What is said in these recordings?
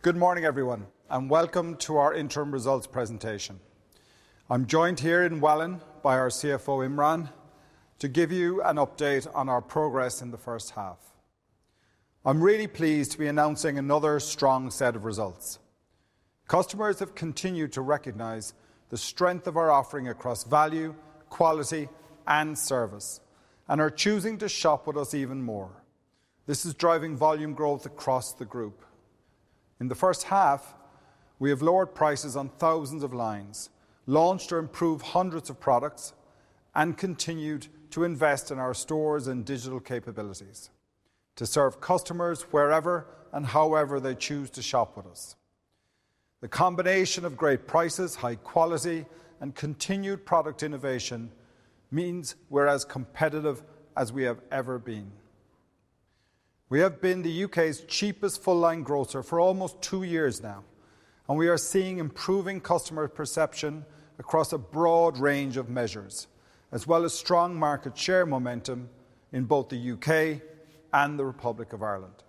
Good morning, everyone, and welcome to our interim results presentation. I'm joined here in Welwyn by our CFO, Imran, to give you an update on our progress in the first half. I'm really pleased to be announcing another strong set of results. Customers have continued to recognize the strength of our offering across value, quality, and service and are choosing to shop with us even more. This is driving volume growth across the group. In the first half, we have lowered prices on thousands of lines, launched or improved hundreds of products, and continued to invest in our stores and digital capabilities to serve customers wherever and however they choose to shop with us. The combination of great prices, high quality, and continued product innovation means we're as competitive as we have ever been. We have been the U.K.'s cheapest full-line grocer for almost two years now, and we are seeing improving customer perception across a broad range of measures, as well as strong market share momentum in both the U.K. and the Republic of Ireland.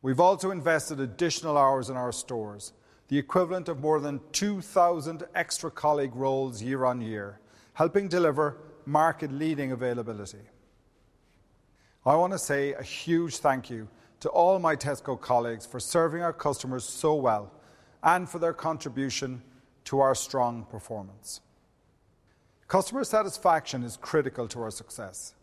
We've also invested additional hours in our stores, the equivalent of more than 2,000 extra colleague roles year on year, helping deliver market-leading availability. I want to say a huge thank you to all my Tesco colleagues for serving our customers so well and for their contribution to our strong performance. Customer satisfaction is critical to our success.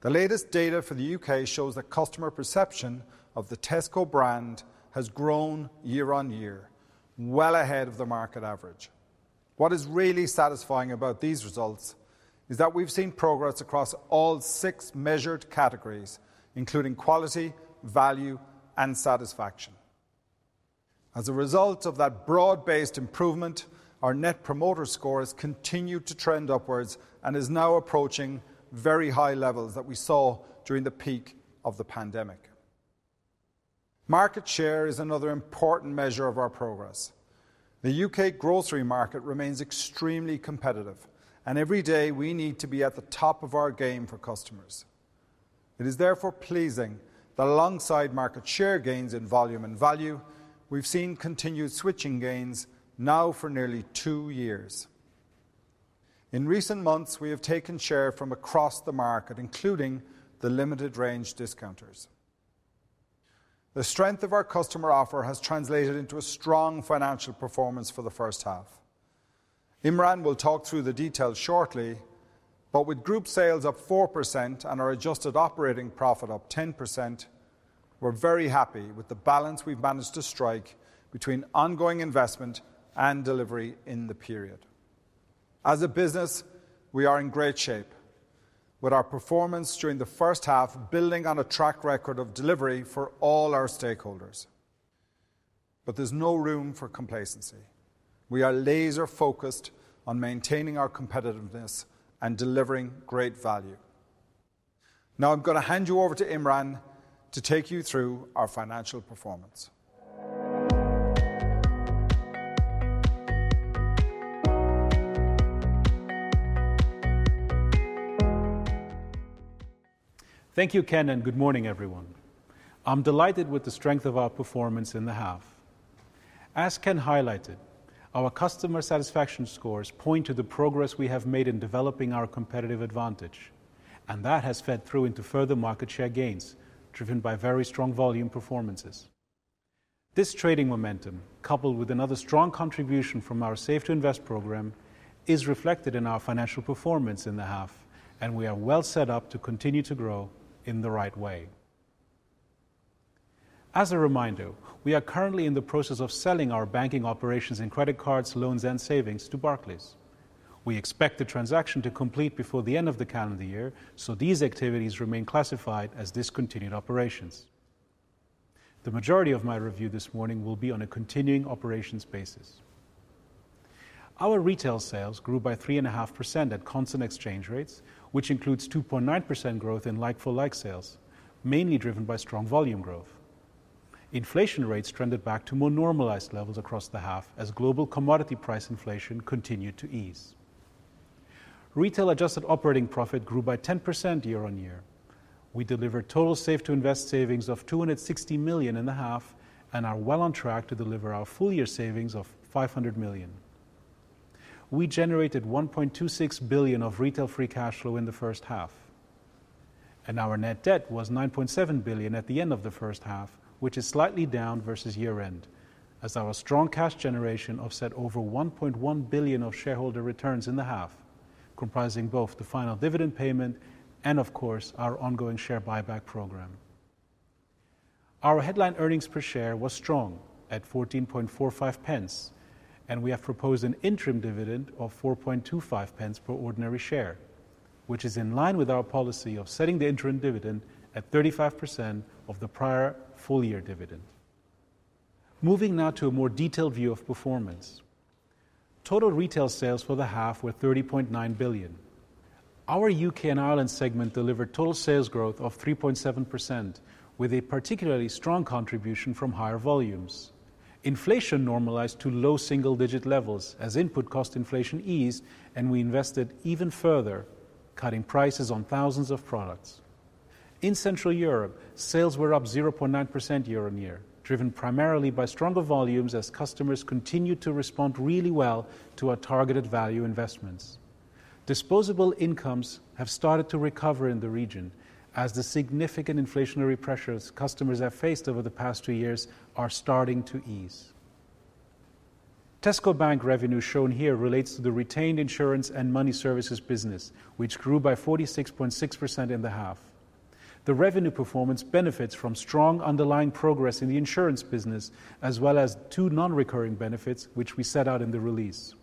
The latest data for the U.K. shows that customer perception of the Tesco brand has grown year on year, well ahead of the market average. What is really satisfying about these results is that we've seen progress across all six measured categories, including quality, value, and satisfaction. As a result of that broad-based improvement, our Net Promoter Score has continued to trend upwards and is now approaching very high levels that we saw during the peak of the pandemic. Market share is another important measure of our progress. The U.K. grocery market remains extremely competitive, and every day we need to be at the top of our game for customers. It is therefore pleasing that alongside market share gains in volume and value, we've seen continued switching gains now for nearly two years. In recent months, we have taken share from across the market, including the limited range discounters. The strength of our customer offer has translated into a strong financial performance for the first half. Imran will talk through the details shortly, but with group sales up 4% and our adjusted operating profit up 10%, we're very happy with the balance we've managed to strike between ongoing investment and delivery in the period. As a business, we are in great shape, with our performance during the first half building on a track record of delivery for all our stakeholders. But there's no room for complacency. We are laser-focused on maintaining our competitiveness and delivering great value. Now, I'm gonna hand you over to Imran to take you through our financial performance. Thank you, Ken, and good morning, everyone. I'm delighted with the strength of our performance in the half. As Ken highlighted, our customer satisfaction scores point to the progress we have made in developing our competitive advantage, and that has fed through into further market share gains, driven by very strong volume performances. This trading momentum, coupled with another strong contribution from our Save to Invest program, is reflected in our financial performance in the half, and we are well set up to continue to grow in the right way. As a reminder, we are currently in the process of selling our banking operations in credit cards, loans, and savings to Barclays. We expect the transaction to complete before the end of the calendar year, so these activities remain classified as discontinued operations. The majority of my review this morning will be on a continuing operations basis. Our retail sales grew by 3.5% at constant exchange rates, which includes 2.9% growth in like-for-like sales, mainly driven by strong volume growth. Inflation rates trended back to more normalized levels across the half as global commodity price inflation continued to ease. Retail adjusted operating profit grew by 10% year on year. We delivered total Save to Invest savings of £260 million in the half and are well on track to deliver our full year savings of £500 million. We generated £1.26 billion of retail free cash flow in the first half, and our net debt was £9.7 billion at the end of the first half, which is slightly down versus year-end, as our strong cash generation offset over £1.1 billion of shareholder returns in the half, comprising both the final dividend payment and, of course, our ongoing share buyback program. Our headline earnings per share was strong at 14.45 pence, and we have proposed an interim dividend of 4.25 pence per ordinary share, which is in line with our policy of setting the interim dividend at 35% of the prior full-year dividend. Moving now to a more detailed view of performance. Total retail sales for the half were £30.9 billion. Our U.K. and Ireland segment delivered total sales growth of 3.7%, with a particularly strong contribution from higher volumes. Inflation normalized to low single-digit levels as input cost inflation eased, and we invested even further, cutting prices on thousands of products. In Central Europe, sales were up 0.9% year-on-year, driven primarily by stronger volumes as customers continued to respond really well to our targeted value investments. Disposable incomes have started to recover in the region as the significant inflationary pressures customers have faced over the past two years are starting to ease. Tesco Bank revenue shown here relates to the retained insurance and money services business, which grew by 46.6% in the half. The revenue performance benefits from strong underlying progress in the insurance business, as well as two non-recurring benefits, which we set out in the release.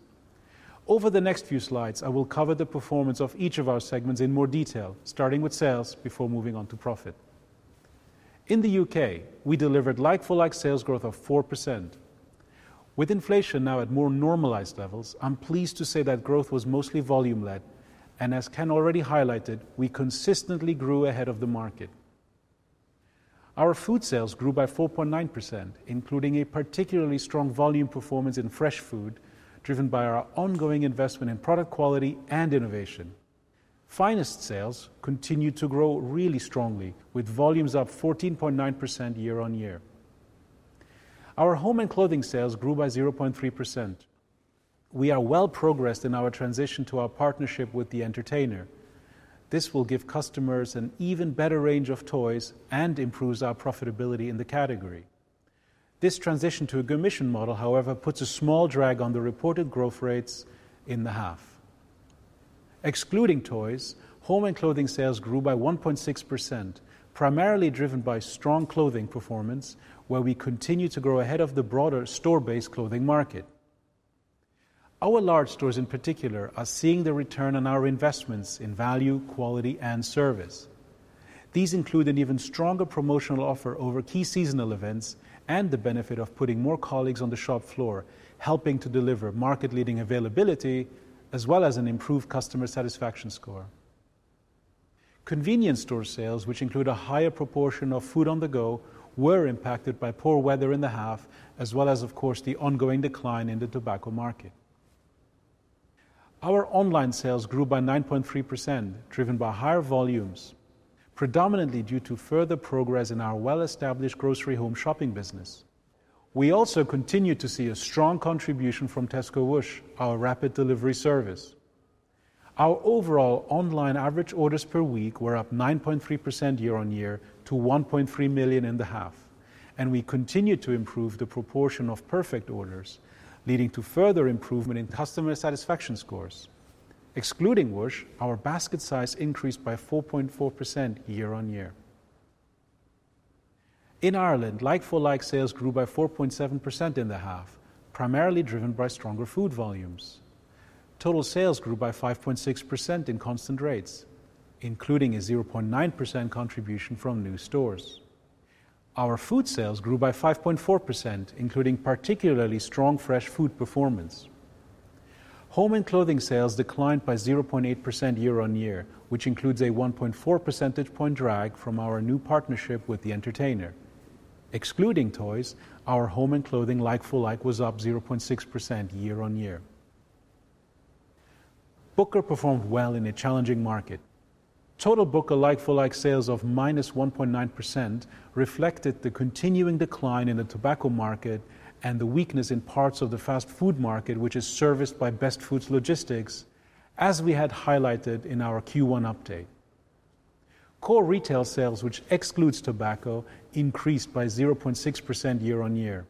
Over the next few slides, I will cover the performance of each of our segments in more detail, starting with sales before moving on to profit. In the U.K., we delivered like-for-like sales growth of 4%. With inflation now at more normalized levels, I'm pleased to say that growth was mostly volume-led, and as Ken already highlighted, we consistently grew ahead of the market. Our food sales grew by 4.9%, including a particularly strong volume performance in fresh food, driven by our ongoing investment in product quality and innovation. Finest sales continued to grow really strongly, with volumes up 14.9% year-on-year. Our home and clothing sales grew by 0.3%. We are well progressed in our transition to our partnership with The Entertainer. This will give customers an even better range of toys and improves our profitability in the category. This transition to a commission model, however, puts a small drag on the reported growth rates in the half. Excluding toys, home and clothing sales grew by 1.6%, primarily driven by strong clothing performance, where we continue to grow ahead of the broader store-based clothing market. Our large stores, in particular, are seeing the return on our investments in value, quality, and service. These include an even stronger promotional offer over key seasonal events and the benefit of putting more colleagues on the shop floor, helping to deliver market-leading availability, as well as an improved customer satisfaction score. Convenience store sales, which include a higher proportion of food on the go, were impacted by poor weather in the half, as well as, of course, the ongoing decline in the tobacco market. Our online sales grew by 9.3%, driven by higher volumes, predominantly due to further progress in our well-established grocery home shopping business. We also continued to see a strong contribution from Tesco Whoosh, our rapid delivery service. Our overall online average orders per week were up 9.3% year-on-year to 1.3 million in the half, and we continued to improve the proportion of perfect orders, leading to further improvement in customer satisfaction scores. Excluding Whoosh, our basket size increased by 4.4% year-on-year. In Ireland, like-for-like sales grew by 4.7% in the half, primarily driven by stronger food volumes. Total sales grew by 5.6% in constant rates, including a 0.9% contribution from new stores. Our food sales grew by 5.4%, including particularly strong fresh food performance. Home and clothing sales declined by 0.8% year-on-year, which includes a 1.4 percentage point drag from our new partnership with The Entertainer. Excluding toys, our home and clothing like-for-like was up 0.6% year-on-year. Booker performed well in a challenging market. Total Booker like-for-like sales of -1.9% reflected the continuing decline in the tobacco market and the weakness in parts of the fast food market, which is serviced by Best Food Logistics, as we had highlighted in our Q1 update. Core retail sales, which excludes tobacco, increased by 0.6% year-on-year.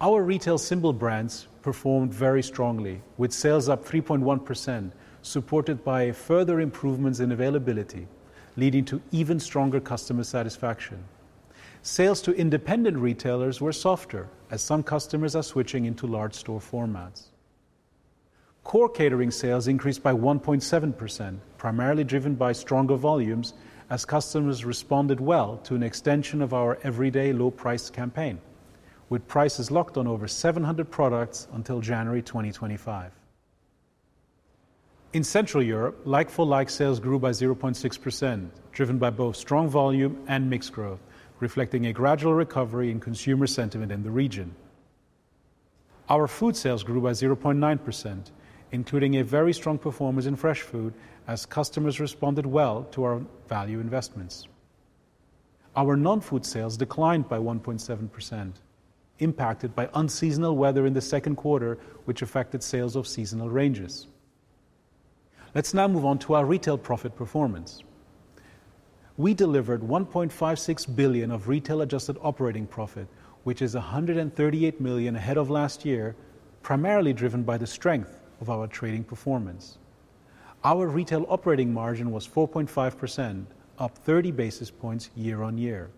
Our retail symbol brands performed very strongly, with sales up 3.1%, supported by further improvements in availability, leading to even stronger customer satisfaction. Sales to independent retailers were softer as some customers are switching into large store formats. Core catering sales increased by 1.7%, primarily driven by stronger volumes, as customers responded well to an extension of our everyday low price campaign, with prices locked on over 700 products until January 2025. In Central Europe, like-for-like sales grew by 0.6%, driven by both strong volume and mixed growth, reflecting a gradual recovery in consumer sentiment in the region. Our food sales grew by 0.9%, including a very strong performance in fresh food as customers responded well to our value investments. Our non-food sales declined by 1.7%, impacted by unseasonal weather in the second quarter, which affected sales of seasonal ranges. Let's now move on to our retail profit performance. We delivered £1.56 billion of retail adjusted operating profit, which is £138 million ahead of last year, primarily driven by the strength of our trading performance. Our retail operating margin was 4.5%, up 30 basis points year-on-year.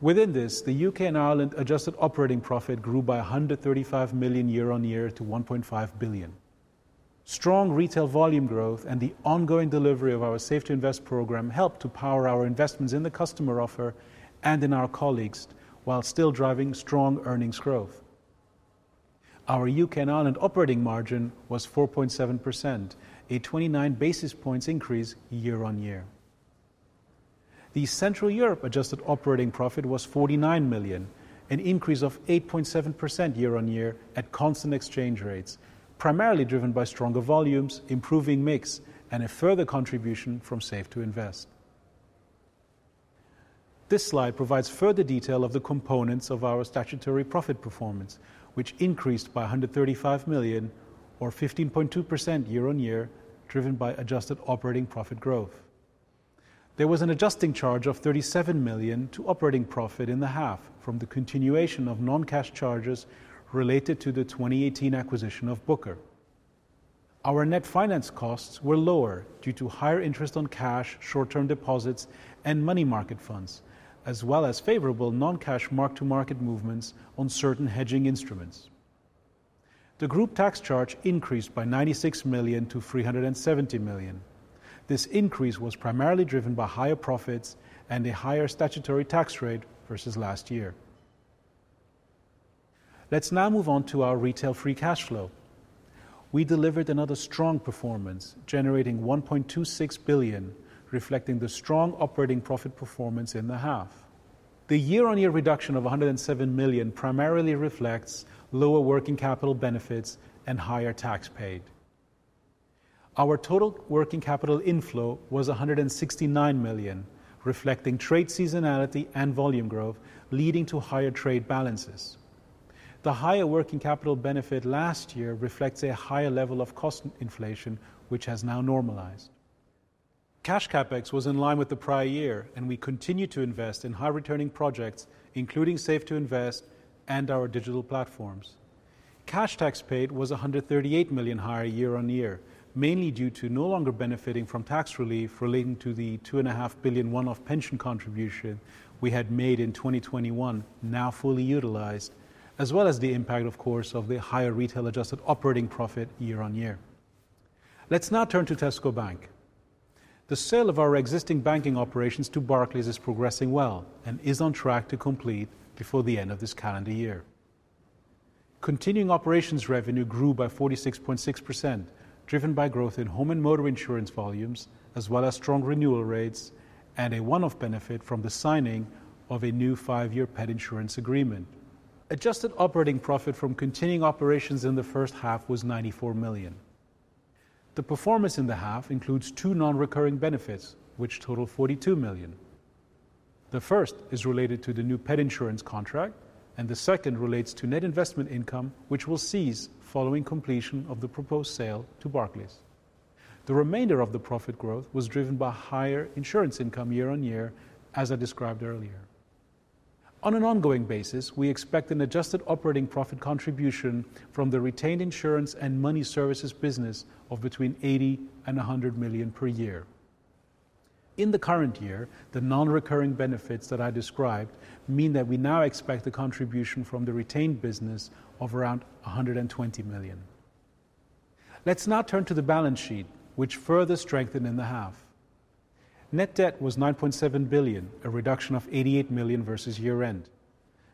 Within this, the U.K. and Ireland adjusted operating profit grew by £135 million year-on-year to £1.5 billion. Strong retail volume growth and the ongoing delivery of our Save to Invest program helped to power our investments in the customer offer and in our colleagues while still driving strong earnings growth. Our UK and Ireland operating margin was 4.7%, a 29 basis points increase year-on-year. The Central Europe adjusted operating profit was £49 million, an increase of 8.7% year on year at constant exchange rates, primarily driven by stronger volumes, improving mix, and a further contribution from Save to Invest. This slide provides further detail of the components of our statutory profit performance, which increased by £135 million, or 15.2% year on year, driven by adjusted operating profit growth. There was an adjusting charge of £37 million to operating profit in the half from the continuation of non-cash charges related to the 2018 acquisition of Booker. Our net finance costs were lower due to higher interest on cash, short-term deposits, and money market funds, as well as favorable non-cash mark-to-market movements on certain hedging instruments. The group tax charge increased by £96 million to £370 million. This increase was primarily driven by higher profits and a higher statutory tax rate versus last year. Let's now move on to our retail free cash flow. We delivered another strong performance, generating £1.26 billion, reflecting the strong operating profit performance in the half. The year-on-year reduction of £107 million primarily reflects lower working capital benefits and higher tax paid. Our total working capital inflow was £169 million, reflecting trade seasonality and volume growth, leading to higher trade balances. The higher working capital benefit last year reflects a higher level of cost inflation, which has now normalized. Cash CapEx was in line with the prior year, and we continue to invest in high-returning projects, including Save to Invest and our digital platforms. Cash tax paid was £138 million higher year on year, mainly due to no longer benefiting from tax relief relating to the 2.5 billion one-off pension contribution we had made in 2021, now fully utilized, as well as the impact, of course, of the higher retail adjusted operating profit year on year. Let's now turn to Tesco Bank. The sale of our existing banking operations to Barclays is progressing well and is on track to complete before the end of this calendar year. Continuing operations revenue grew by 46.6%, driven by growth in home and motor insurance volumes, as well as strong renewal rates and a one-off benefit from the signing of a new five-year pet insurance agreement. Adjusted operating profit from continuing operations in the first half was £94 million. The performance in the half includes two non-recurring benefits, which total £42 million. The first is related to the new pet insurance contract, and the second relates to net investment income, which will cease following completion of the proposed sale to Barclays. The remainder of the profit growth was driven by higher insurance income year on year, as I described earlier. On an ongoing basis, we expect an adjusted operating profit contribution from the retained insurance and money services business of between £80 million and £100 million per year. In the current year, the non-recurring benefits that I described mean that we now expect a contribution from the retained business of around £120 million. Let's now turn to the balance sheet, which further strengthened in the half. Net debt was £9.7 billion, a reduction of £88 million versus year-end.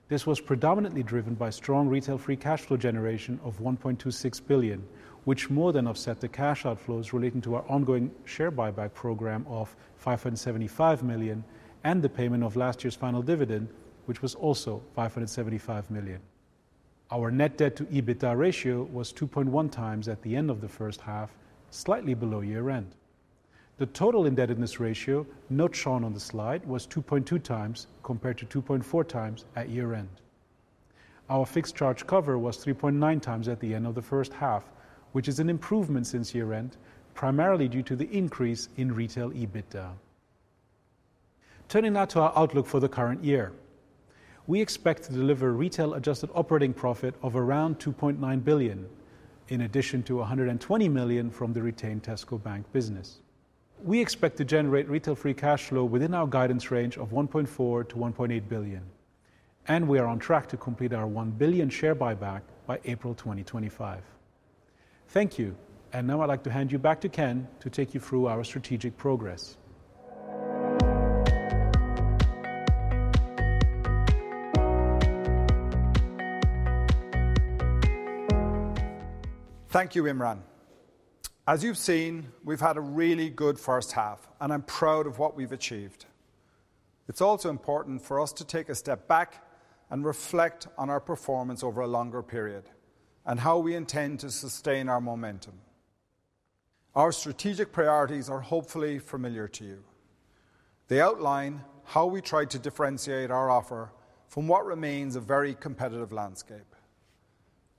This was predominantly driven by strong retail free cash flow generation of £1.26 billion, which more than offset the cash outflows relating to our ongoing share buyback program of £575 million, and the payment of last year's final dividend, which was also £575 million. Our net debt to EBITDA ratio was 2.1 times at the end of the first half, slightly below year-end. The total indebtedness ratio, not shown on the slide, was 2.2 times, compared to 2.4 times at year-end. Our fixed charge cover was 3.9 times at the end of the first half, which is an improvement since year-end, primarily due to the increase in retail EBITDA. Turning now to our outlook for the current year. We expect to deliver retail adjusted operating profit of around £2.9 billion, in addition to £120 million from the retained Tesco Bank business. We expect to generate retail free cash flow within our guidance range of £1.4 billion- £1.8 billion, and we are on track to complete our £1 billion share buyback by April 2025. Thank you. And now I'd like to hand you back to Ken to take you through our strategic progress. Thank you, Imran. As you've seen, we've had a really good first half, and I'm proud of what we've achieved. It's also important for us to take a step back and reflect on our performance over a longer period and how we intend to sustain our momentum. Our strategic priorities are hopefully familiar to you. They outline how we try to differentiate our offer from what remains a very competitive landscape.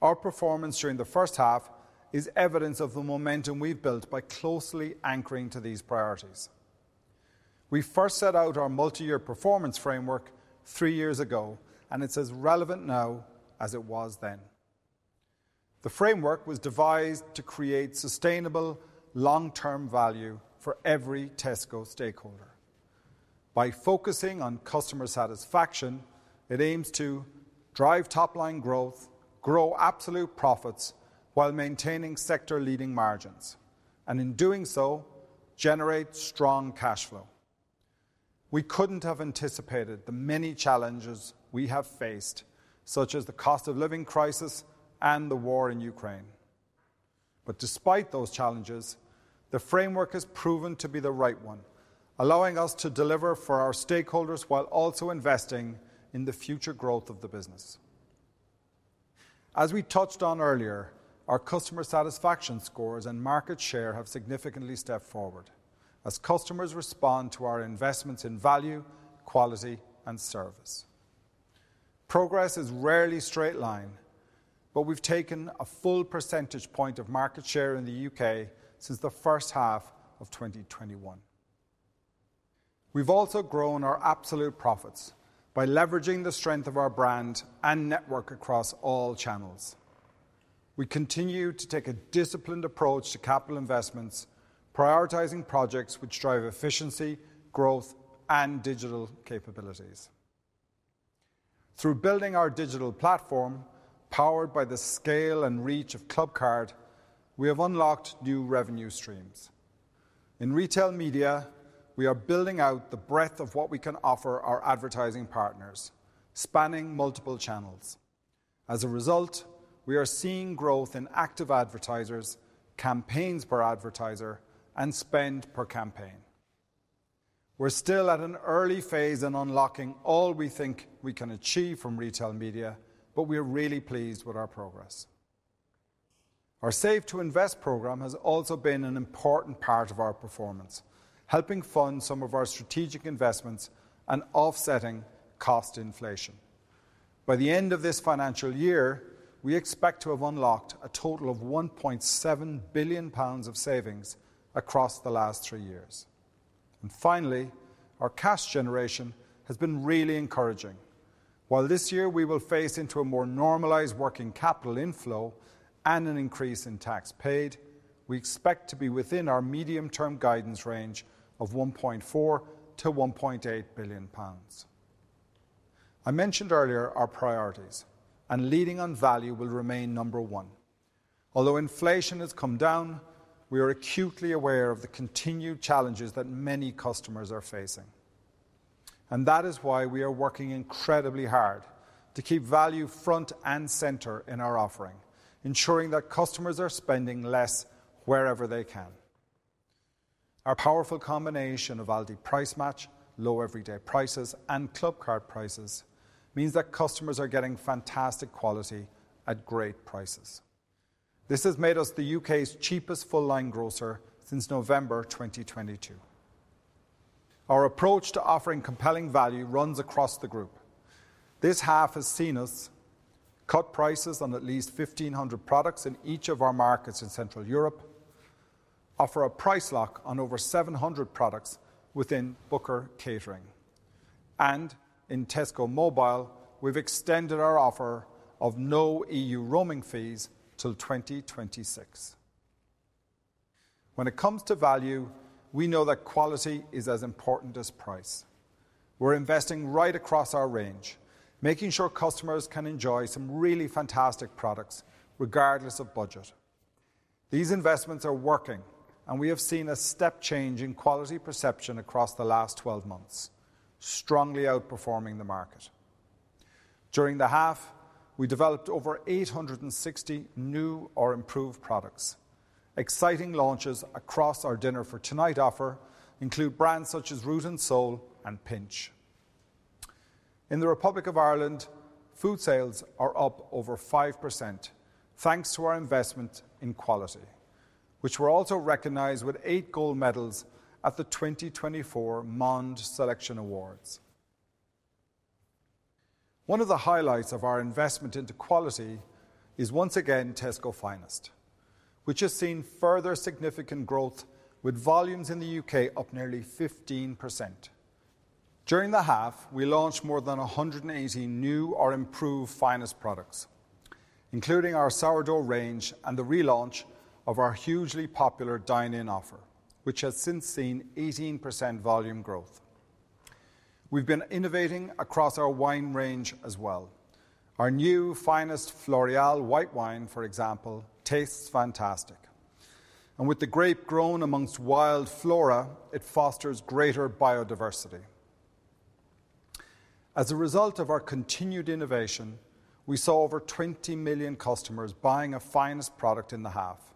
Our performance during the first half is evidence of the momentum we've built by closely anchoring to these priorities. We first set out our multi-year performance framework three years ago, and it's as relevant now as it was then. The framework was devised to create sustainable, long-term value for every Tesco stakeholder. By focusing on customer satisfaction, it aims to drive top-line growth, grow absolute profits, while maintaining sector-leading margins, and in doing so, generate strong cash flow. We couldn't have anticipated the many challenges we have faced, such as the cost of living crisis and the war in Ukraine... But despite those challenges, the framework has proven to be the right one, allowing us to deliver for our stakeholders while also investing in the future growth of the business. As we touched on earlier, our customer satisfaction scores and market share have significantly stepped forward as customers respond to our investments in value, quality, and service. Progress is rarely straight line, but we've taken a full percentage point of market share in the U.K. since the first half of 2021. We've also grown our absolute profits by leveraging the strength of our brand and network across all channels. We continue to take a disciplined approach to capital investments, prioritizing projects which drive efficiency, growth, and digital capabilities. Through building our digital platform, powered by the scale and reach of Clubcard, we have unlocked new revenue streams. In retail media, we are building out the breadth of what we can offer our advertising partners, spanning multiple channels. As a result, we are seeing growth in active advertisers, campaigns per advertiser, and spend per campaign. We're still at an early phase in unlocking all we think we can achieve from retail media, but we are really pleased with our progress. Our Save to Invest program has also been an important part of our performance, helping fund some of our strategic investments and offsetting cost inflation. By the end of this financial year, we expect to have unlocked a total of £1.7 billion pounds of savings across the last three years. And finally, our cash generation has been really encouraging. While this year we will face into a more normalized working capital inflow and an increase in tax paid, we expect to be within our medium-term guidance range of £1.4 billion-£1.8 billion. I mentioned earlier our priorities, and leading on value will remain number one. Although inflation has come down, we are acutely aware of the continued challenges that many customers are facing, and that is why we are working incredibly hard to keep value front and center in our offering, ensuring that customers are spending less wherever they can. Our powerful combination of Aldi Price Match, low everyday prices, and Clubcard prices means that customers are getting fantastic quality at great prices. This has made us the U.K.'s cheapest full-line grocer since November 2022. Our approach to offering compelling value runs across the group. This half has seen us cut prices on at least 1,500 products in each of our markets in Central Europe, offer a price lock on over 700 products within Booker Catering, and in Tesco Mobile, we've extended our offer of no EU roaming fees till 2026. When it comes to value, we know that quality is as important as price. We're investing right across our range, making sure customers can enjoy some really fantastic products regardless of budget. These investments are working, and we have seen a step change in quality perception across the last 12 months, strongly outperforming the market. During the half, we developed over 860 new or improved products. Exciting launches across our Dinner for Tonight offer include brands such as Root & Soul and Pinch. In the Republic of Ireland, food sales are up over 5%, thanks to our investment in quality, which we're also recognized with eight gold medals at the 2024 Monde Selection Awards. One of the highlights of our investment into quality is once again Tesco Finest, which has seen further significant growth, with volumes in the U.K. up nearly 15%. During the half, we launched more than 180 new or improved Finest products, including our sourdough range and the relaunch of our hugely popular dine-in offer, which has since seen 18% volume growth. We've been innovating across our wine range as well. Our new Finest Floreal white wine, for example, tastes fantastic, and with the grape grown among wild flora, it fosters greater biodiversity. As a result of our continued innovation, we saw over 20 million customers buying a Finest product in the half,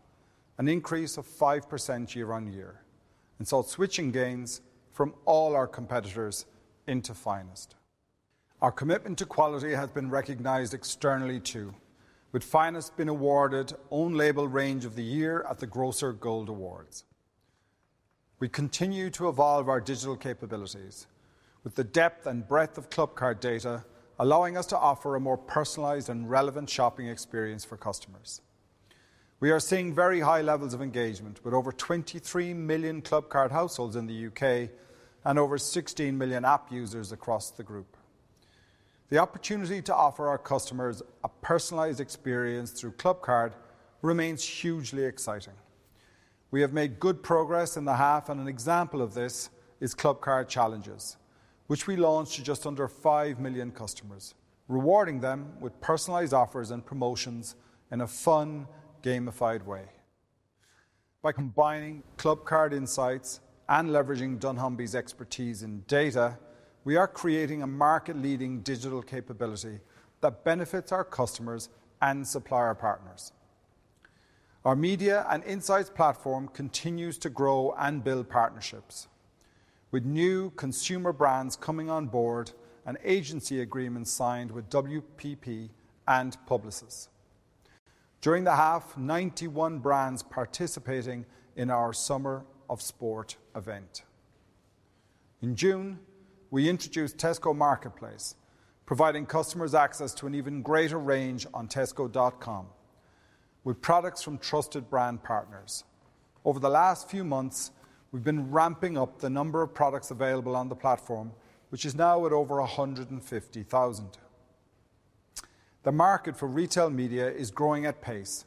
an increase of 5% year on year, and saw switching gains from all our competitors into Finest. Our commitment to quality has been recognized externally, too, with Finest being awarded Own Label Range of the Year at the Grocer Gold Awards. We continue to evolve our digital capabilities, with the depth and breadth of Clubcard data allowing us to offer a more personalized and relevant shopping experience for customers. We are seeing very high levels of engagement with over 23 million Clubcard households in the U.K. and over 16 million app users across the group. The opportunity to offer our customers a personalized experience through Clubcard remains hugely exciting. We have made good progress in the half, and an example of this is Clubcard Challenges, which we launched to just under 5 million customers, rewarding them with personalized offers and promotions in a fun, gamified way. By combining Clubcard insights and leveraging Dunnhumby's expertise in data, we are creating a market-leading digital capability that benefits our customers and supplier partners. Our media and insights platform continues to grow and build partnerships, with new consumer brands coming on board and agency agreements signed with WPP and Publicis. During the half, 91 brands participating in our Summer of Sport event. In June, we introduced Tesco Marketplace, providing customers access to an even greater range on Tesco.com with products from trusted brand partners. Over the last few months, we've been ramping up the number of products available on the platform, which is now at over 150,000. The market for retail media is growing at pace,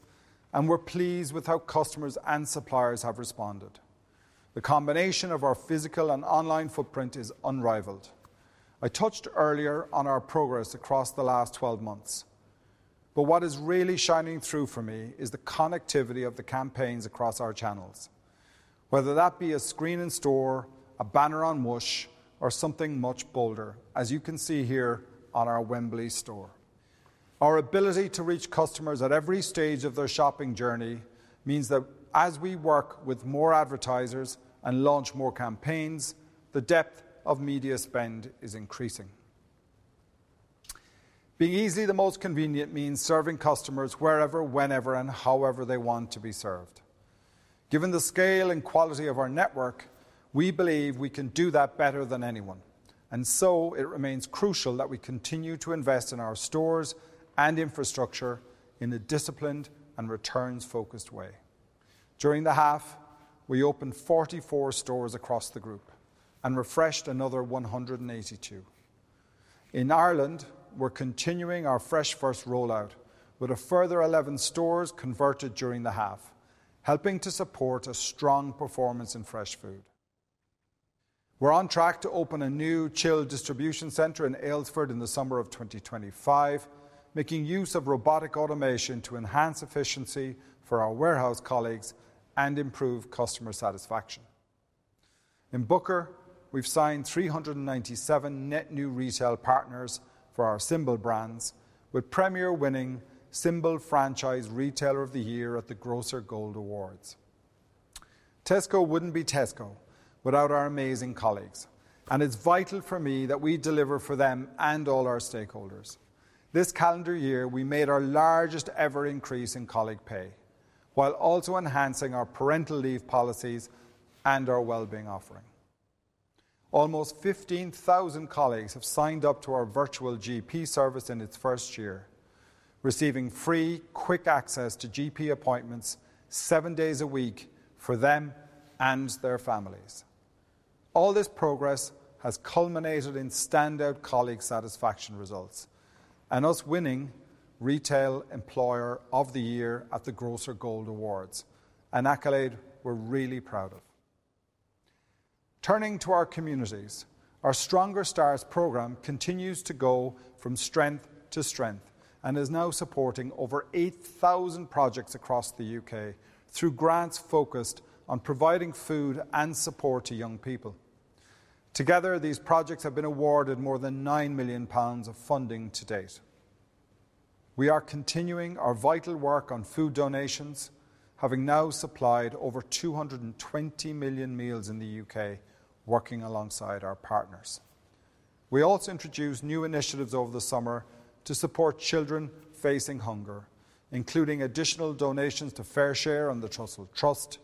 and we're pleased with how customers and suppliers have responded. The combination of our physical and online footprint is unrivaled. I touched earlier on our progress across the last 12 months, but what is really shining through for me is the connectivity of the campaigns across our channels, whether that be a screen in store, a banner on Whoosh, or something much bolder, as you can see here on our Wembley store. Our ability to reach customers at every stage of their shopping journey means that as we work with more advertisers and launch more campaigns, the depth of media spend is increasing. Being easily the most convenient means serving customers wherever, whenever, and however they want to be served. Given the scale and quality of our network, we believe we can do that better than anyone, and so it remains crucial that we continue to invest in our stores and infrastructure in a disciplined and returns-focused way. During the half, we opened 44 stores across the group and refreshed another 182. In Ireland, we're continuing our Fresh First rollout, with a further 11 stores converted during the half, helping to support a strong performance in fresh food. We're on track to open a new chilled distribution center in Aylesford in the summer of 2025, making use of robotic automation to enhance efficiency for our warehouse colleagues and improve customer satisfaction. In Booker, we've signed 397 net new retail partners for our Symbol Brands, with Premier winning Symbol Franchise Retailer of the Year at the Grocer Gold Awards. Tesco wouldn't be Tesco without our amazing colleagues, and it's vital for me that we deliver for them and all our stakeholders. This calendar year, we made our largest ever increase in colleague pay, while also enhancing our parental leave policies and our well-being offering. Almost 15,000 colleagues have signed up to our Virtual GP service in its first year, receiving free, quick access to GP appointments seven days a week for them and their families. All this progress has culminated in standout colleague satisfaction results and us winning Retail Employer of the Year at the Grocer Gold Awards, an accolade we're really proud of. Turning to our communities, our Stronger Starts program continues to go from strength to strength and is now supporting over 8,000 projects across the U.K. through grants focused on providing food and support to young people. Together, these projects have been awarded more than £9 million of funding to date. We are continuing our vital work on food donations, having now supplied over 220 million meals in the U.K. working alongside our partners. We also introduced new initiatives over the summer to support children facing hunger, including additional donations to FareShare and the Trussell Trust,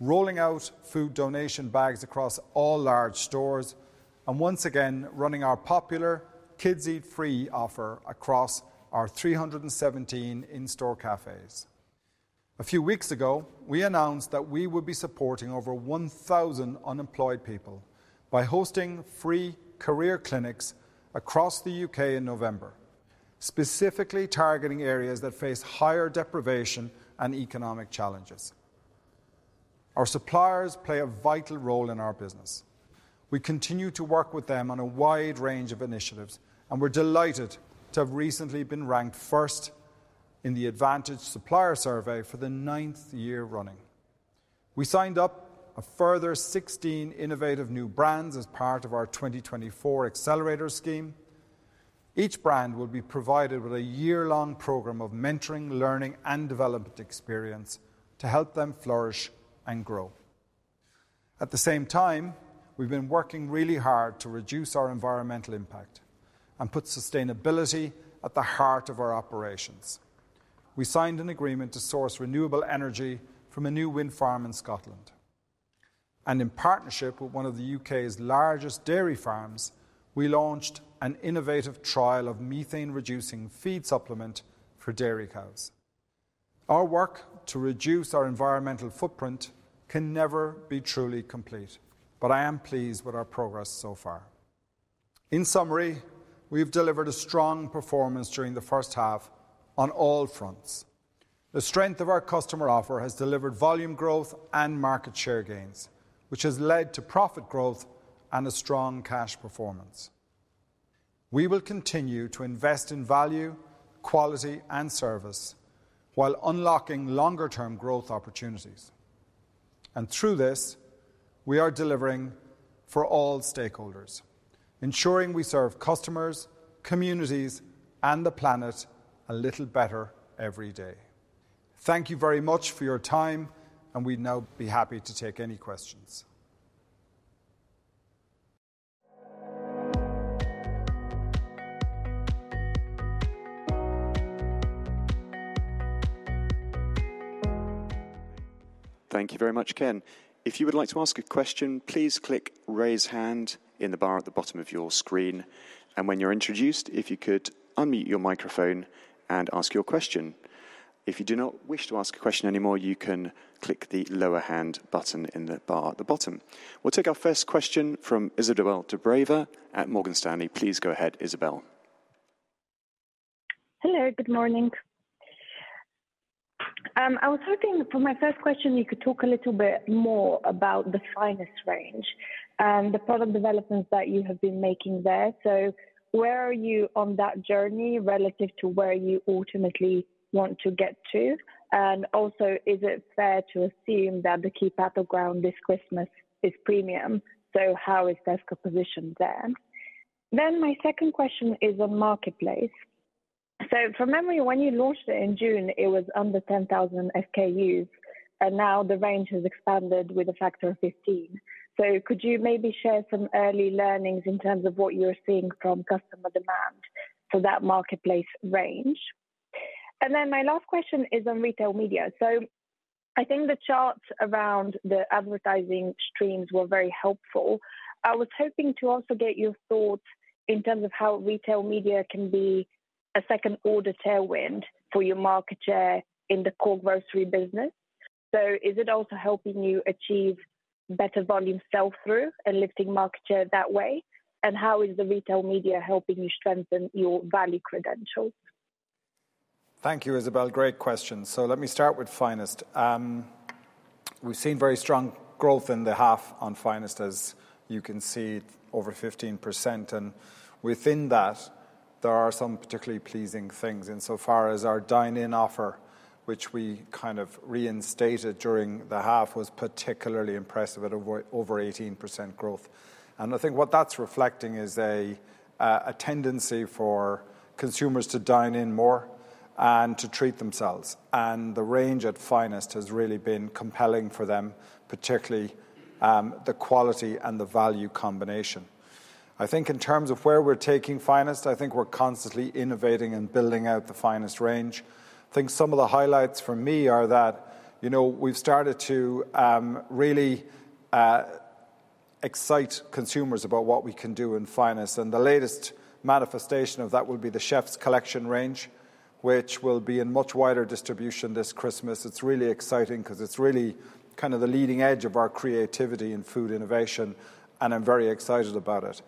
rolling out food donation bags across all large stores, and once again, running our popular Kids Eat Free offer across our 317 in-store cafes. A few weeks ago, we announced that we would be supporting over 1,000 unemployed people by hosting free career clinics across the U.K. in November, specifically targeting areas that face higher deprivation and economic challenges. Our suppliers play a vital role in our business. We continue to work with them on a wide range of initiatives, and we're delighted to have recently been ranked first in the Advantage Supplier Survey for the ninth year running. We signed up a further 16 innovative new brands as part of our twenty twenty-four accelerator scheme. Each brand will be provided with a year-long program of mentoring, learning, and development experience to help them flourish and grow. At the same time, we've been working really hard to reduce our environmental impact and put sustainability at the heart of our operations. We signed an agreement to source renewable energy from a new wind farm in Scotland, and in partnership with one of the U.K.'s largest dairy farms, we launched an innovative trial of methane-reducing feed supplement for dairy cows. Our work to reduce our environmental footprint can never be truly complete, but I am pleased with our progress so far. In summary, we've delivered a strong performance during the first half on all fronts. The strength of our customer offer has delivered volume growth and market share gains, which has led to profit growth and a strong cash performance... We will continue to invest in value, quality, and service, while unlocking longer-term growth opportunities, and through this, we are delivering for all stakeholders, ensuring we serve customers, communities, and the planet a little better every day. Thank you very much for your time, and we'd now be happy to take any questions. Thank you very much, Ken. If you would like to ask a question, please click Raise Hand in the bar at the bottom of your screen, and when you're introduced, if you could unmute your microphone and ask your question. If you do not wish to ask a question anymore, you can click the lower hand button in the bar at the bottom. We'll take our first question from Izabel Dobreva at Morgan Stanley. Please go ahead, Izabel. Hello, good morning. I was hoping for my first question, you could talk a little bit more about the Finest range and the product developments that you have been making there. So where are you on that journey relative to where you ultimately want to get to? And also, is it fair to assume that the key battleground this Christmas is premium, so how is Tesco positioned there? Then my second question is on Marketplace. So from memory, when you launched it in June, it was under 10,000 SKUs, and now the range has expanded with a factor of 15. So could you maybe share some early learnings in terms of what you're seeing from customer demand for that Marketplace range? And then my last question is on retail media. So I think the charts around the advertising streams were very helpful. I was hoping to also get your thoughts in terms of how retail media can be a second-order tailwind for your market share in the core grocery business. So is it also helping you achieve better volume sell-through and lifting market share that way? And how is the retail media helping you strengthen your value credentials? Thank you, Izabel. Great questions. So let me start with Finest. We've seen very strong growth in the half on Finest, as you can see, over 15%, and within that, there are some particularly pleasing things insofar as our dine-in offer, which we kind of reinstated during the half, was particularly impressive at over eighteen percent growth. And I think what that's reflecting is a a tendency for consumers to dine in more and to treat themselves, and the range at Finest has really been compelling for them, particularly the quality and the value combination. I think in terms of where we're taking Finest, I think we're constantly innovating and building out the Finest range. I think some of the highlights for me are that, you know, we've started to really excite consumers about what we can do in Finest, and the latest manifestation of that will be the Chef's Collection range, which will be in much wider distribution this Christmas. It's really exciting because it's really kind of the leading edge of our creativity in food innovation, and I'm very excited about it.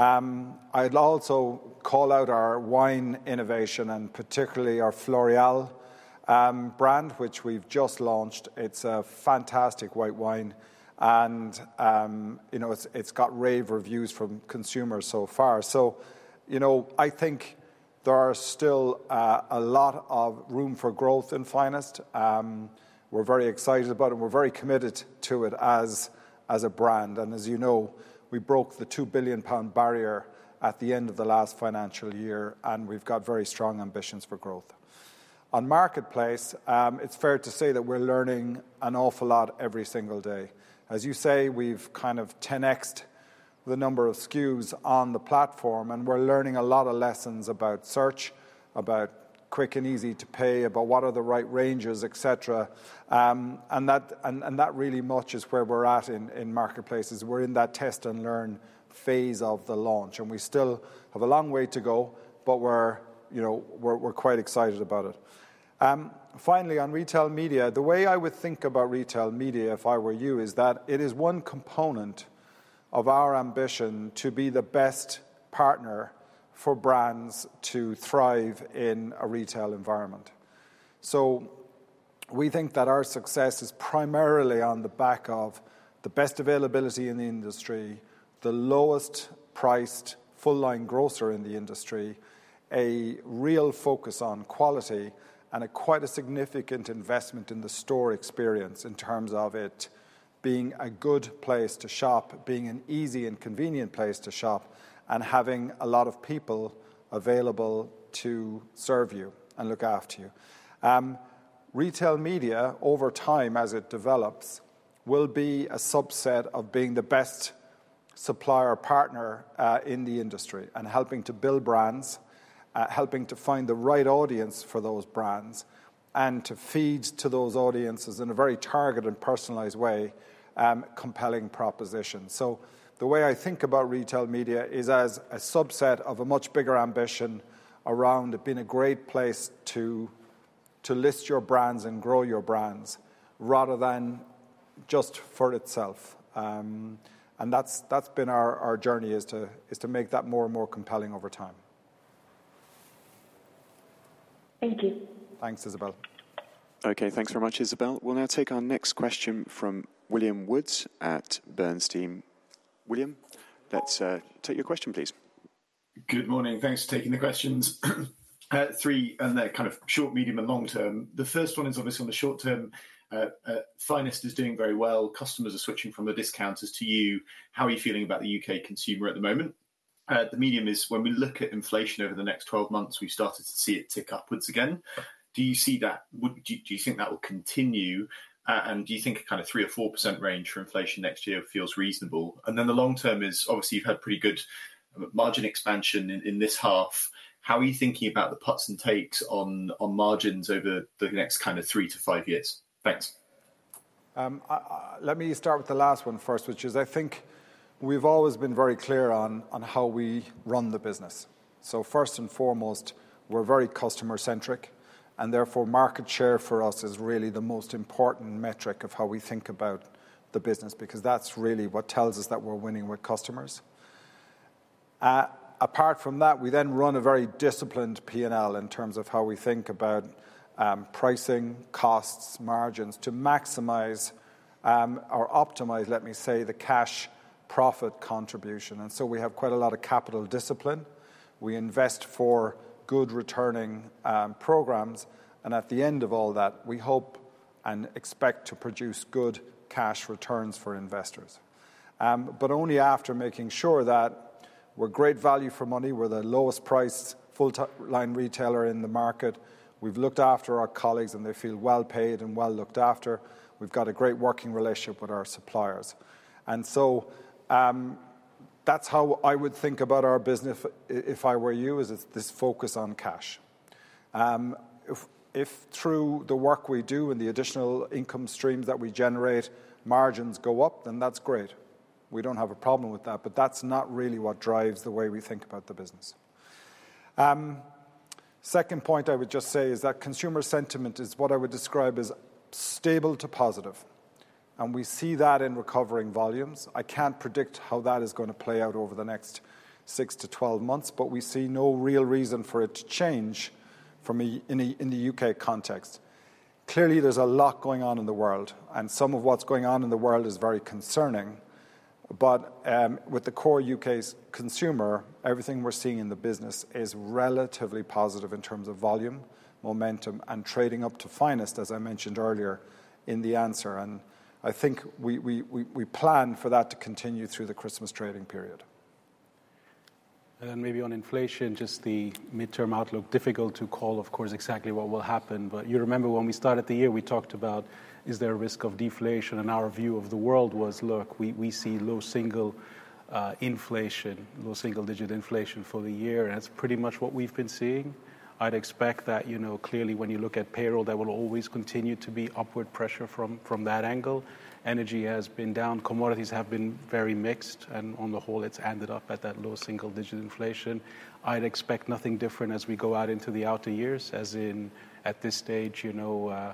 I'd also call out our wine innovation, and particularly our Floreal brand, which we've just launched. It's a fantastic white wine and, you know, it's got rave reviews from consumers so far. So, you know, I think there are still a lot of room for growth in Finest. We're very excited about it, and we're very committed to it as a brand. And as you know, we broke the £2 billion barrier at the end of the last financial year, and we've got very strong ambitions for growth. On Marketplace, it's fair to say that we're learning an awful lot every single day. As you say, we've kind of 10X'd the number of SKUs on the platform, and we're learning a lot of lessons about search, about quick and easy to pay, about what are the right ranges, et cetera. And that really much is where we're at in Marketplaces. We're in that test and learn phase of the launch, and we still have a long way to go, but we're, you know, quite excited about it. Finally, on retail media, the way I would think about retail media, if I were you, is that it is one component of our ambition to be the best partner for brands to thrive in a retail environment. So we think that our success is primarily on the back of the best availability in the industry, the lowest priced full-line grocer in the industry, a real focus on quality, and a quite significant investment in the store experience in terms of it being a good place to shop, being an easy and convenient place to shop, and having a lot of people available to serve you and look after you. Retail media, over time, as it develops, will be a subset of being the best supplier partner in the industry and helping to build brands, helping to find the right audience for those brands, and to feed to those audiences in a very targeted and personalized way, compelling propositions. So the way I think about retail media is as a subset of a much bigger ambition around it being a great place to list your brands and grow your brands, rather than just for itself. And that's been our journey, is to make that more and more compelling over time.... Thank you. Thanks, Izabel. Okay, thanks very much, Izabel. We'll now take our next question from William Woods at Bernstein. William, let's take your question, please. Good morning. Thanks for taking the questions. Three, and they're kind of short, medium, and long term. The first one is obviously on the short term. Finest is doing very well. Customers are switching from the discounters to you. How are you feeling about the U.K. consumer at the moment? The medium is when we look at inflation over the next 12 months, we've started to see it tick upwards again. Do you think that will continue, and do you think a kind of 3%-4% range for inflation next year feels reasonable? And then the long term is, obviously, you've had pretty good margin expansion in this half. How are you thinking about the puts and takes on margins over the next kind of 3-5 years? Thanks. Let me start with the last one first, which is, I think we've always been very clear on how we run the business. So first and foremost, we're very customer centric, and therefore, market share for us is really the most important metric of how we think about the business, because that's really what tells us that we're winning with customers. Apart from that, we then run a very disciplined P&L in terms of how we think about pricing, costs, margins, to maximize or optimize, let me say, the cash profit contribution. And so we have quite a lot of capital discipline. We invest for good returning programs, and at the end of all that, we hope and expect to produce good cash returns for investors, but only after making sure that we're great value for money. We're the lowest priced full-line retailer in the market. We've looked after our colleagues, and they feel well paid and well looked after. We've got a great working relationship with our suppliers. And so, that's how I would think about our business if I were you, is it's this focus on cash. If through the work we do and the additional income streams that we generate, margins go up, then that's great. We don't have a problem with that, but that's not really what drives the way we think about the business. Second point I would just say is that consumer sentiment is what I would describe as stable to positive, and we see that in recovering volumes. I can't predict how that is going to play out over the next six to twelve months, but we see no real reason for it to change in the U.K.context. Clearly, there's a lot going on in the world, and some of what's going on in the world is very concerning. But with the core U.K.'s consumer, everything we're seeing in the business is relatively positive in terms of volume, momentum, and trading up to Finest, as I mentioned earlier in the answer, and I think we plan for that to continue through the Christmas trading period. And then maybe on inflation, just the midterm outlook. Difficult to call, of course, exactly what will happen, but you remember when we started the year, we talked about is there a risk of deflation, and our view of the world was: Look, we see low single inflation, low single-digit inflation for the year, and that's pretty much what we've been seeing. I'd expect that, you know, clearly, when you look at payroll, there will always continue to be upward pressure from that angle. Energy has been down, commodities have been very mixed, and on the whole, it's ended up at that low single-digit inflation. I'd expect nothing different as we go out into the outer years, as in, at this stage, you know,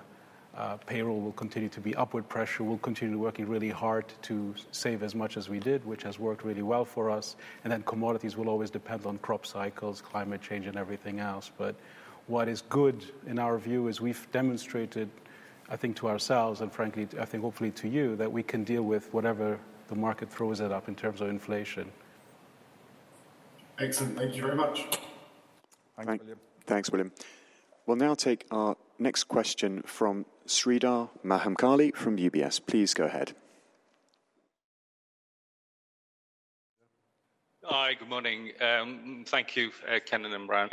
payroll will continue to be upward pressure. We'll continue working really hard to save as much as we did, which has worked really well for us. And then commodities will always depend on crop cycles, climate change, and everything else. But what is good in our view is we've demonstrated, I think, to ourselves and frankly, I think hopefully to you, that we can deal with whatever the market throws it up in terms of inflation. Excellent. Thank you very much. Thank you. Thanks, William. We'll now take our next question from Sreedhar Mahamkali from UBS. Please go ahead. Hi, good morning. Thank you, Ken and Imran.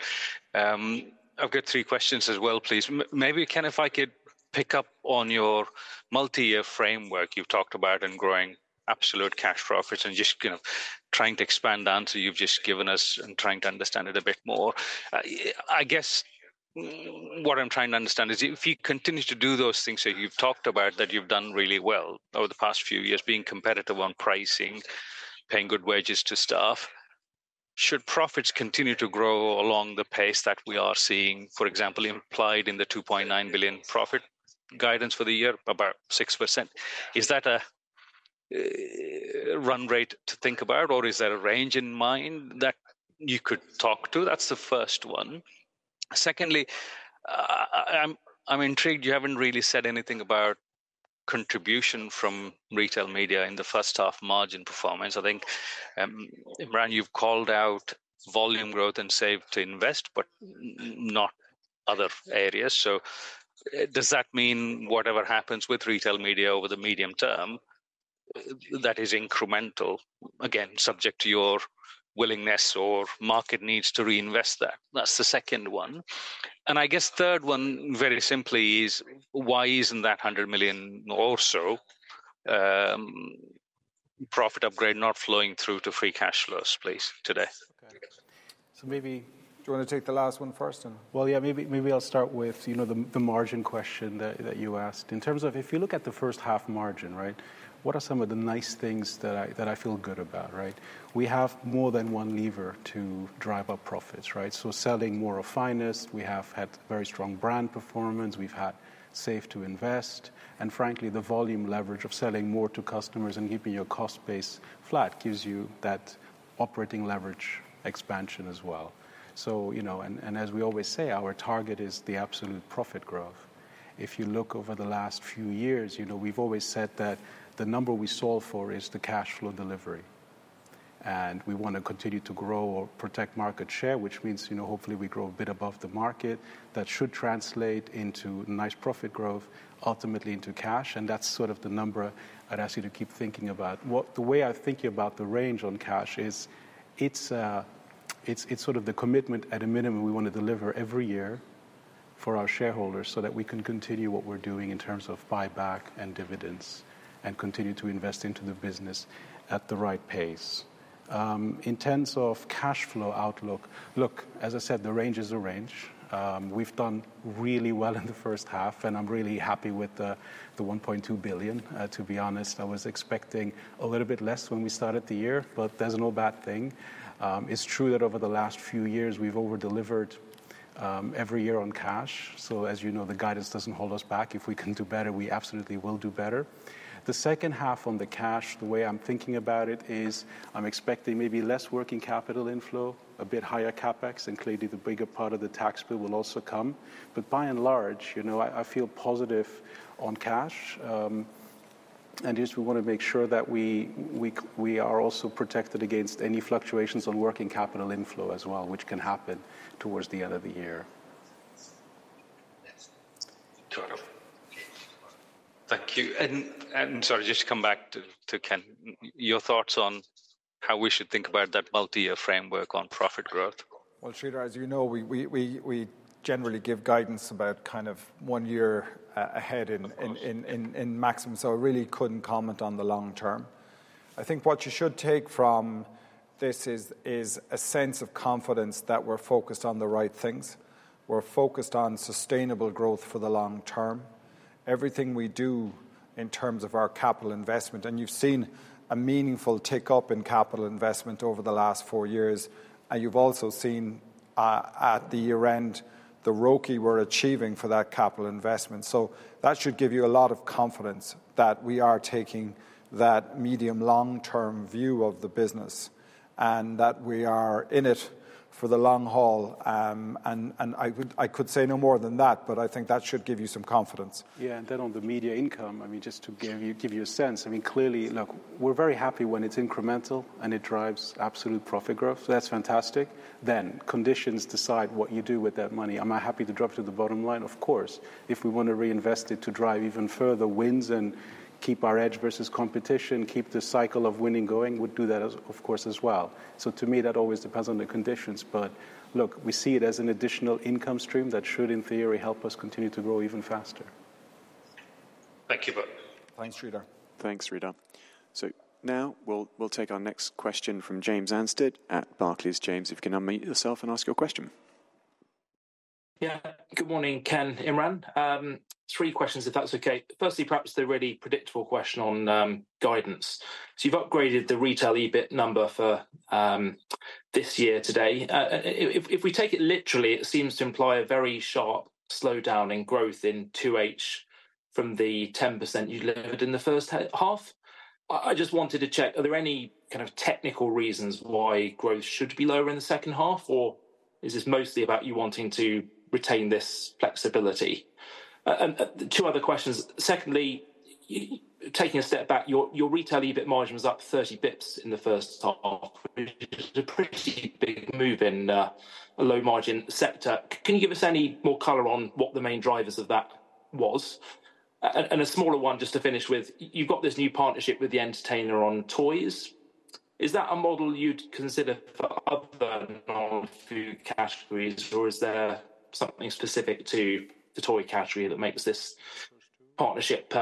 I've got three questions as well, please. Maybe, Ken, if I could pick up on your multi-year framework you've talked about in growing absolute cash profits and just, you know, trying to expand the answer you've just given us and trying to understand it a bit more. I guess what I'm trying to understand is if you continue to do those things that you've talked about, that you've done really well over the past few years, being competitive on pricing, paying good wages to staff, should profits continue to grow along the pace that we are seeing, for example, implied in the £2.9 billion profit guidance for the year, about 6%? Is that a run rate to think about, or is there a range in mind that you could talk to? That's the first one. Secondly, I'm intrigued you haven't really said anything about contribution from retail media in the first half margin performance. I think, Imran, you've called out volume growth and Save to Invest, but not other areas. So does that mean whatever happens with retail media over the medium term, that is incremental, again, subject to your willingness or market needs to reinvest that? That's the second one. And I guess third one, very simply, is why isn't that £100 million or so, profit upgrade not flowing through to free cash flows, please, today? So maybe- Do you want to take the last one first, and- Yeah, maybe I'll start with, you know, the margin question that you asked. In terms of if you look at the first half margin, right, what are some of the nice things that I feel good about, right? We have more than one lever to drive up profits, right? So selling more of Finest. We have had very strong brand performance. We've had Save to Invest, and frankly, the volume leverage of selling more to customers and keeping your cost base flat gives you that operating leverage expansion as well. So, you know, and as we always say, our target is the absolute profit growth.... If you look over the last few years, you know, we've always said that the number we solve for is the cash flow delivery, and we want to continue to grow or protect market share, which means, you know, hopefully, we grow a bit above the market. That should translate into nice profit growth, ultimately into cash, and that's sort of the number I'd ask you to keep thinking about. The way I'm thinking about the range on cash is, it's sort of the commitment at a minimum we want to deliver every year for our shareholders, so that we can continue what we're doing in terms of buyback and dividends, and continue to invest into the business at the right pace. In terms of cash flow outlook, look, as I said, the range is a range. We've done really well in the first half, and I'm really happy with the £1.2 billion. To be honest, I was expecting a little bit less when we started the year, but that's no bad thing. It's true that over the last few years, we've over-delivered every year on cash, so as you know, the guidance doesn't hold us back. If we can do better, we absolutely will do better. The second half on the cash, the way I'm thinking about it is, I'm expecting maybe less working capital inflow, a bit higher CapEx, and clearly, the bigger part of the tax bill will also come, but by and large, you know, I feel positive on cash. And just we want to make sure that we are also protected against any fluctuations on working capital inflow as well, which can happen towards the end of the year. Thank you. Sorry, just to come back to Ken, your thoughts on how we should think about that multi-year framework on profit growth? Sreedhar, as you know, we generally give guidance about kind of one year ahead in- Of course So I really couldn't comment on the long term. I think what you should take from this is a sense of confidence that we're focused on the right things. We're focused on sustainable growth for the long term. Everything we do in terms of our capital investment, and you've seen a meaningful tick up in capital investment over the last four years, and you've also seen at the year-end the ROCE we're achieving for that capital investment. So that should give you a lot of confidence that we are taking that medium long-term view of the business, and that we are in it for the long haul. I could say no more than that, but I think that should give you some confidence. Yeah, and then on the media income, I mean, just to give you a sense, I mean, clearly, look, we're very happy when it's incremental, and it drives absolute profit growth. That's fantastic. Then, conditions decide what you do with that money. Am I happy to drop to the bottom line? Of course, if we want to reinvest it to drive even further wins and keep our edge versus competition, keep the cycle of winning going, we'd do that, of course, as well. So to me, that always depends on the conditions, but look, we see it as an additional income stream that should, in theory, help us continue to grow even faster. Thank you both. Thanks, Sreedhar. Thanks, Sreedhar. So now, we'll take our next question from James Anstead at Barclays. James, if you can unmute yourself and ask your question. Yeah. Good morning, Ken, Imran. Three questions, if that's okay. Firstly, perhaps the really predictable question on guidance. So you've upgraded the retail EBIT number for this year today. If we take it literally, it seems to imply a very sharp slowdown in growth in 2H from the 10% you delivered in the first half. I just wanted to check, are there any kind of technical reasons why growth should be lower in the second half, or is this mostly about you wanting to retain this flexibility? And two other questions. Secondly, taking a step back, your retail EBIT margin was up 30 basis points in the first half, which is a pretty big move in a low margin sector. Can you give us any more color on what the main drivers of that was? And a smaller one, just to finish with, you've got this new partnership with The Entertainer on toys. Is that a model you'd consider for other food categories, or is there something specific to the toy category that makes this partnership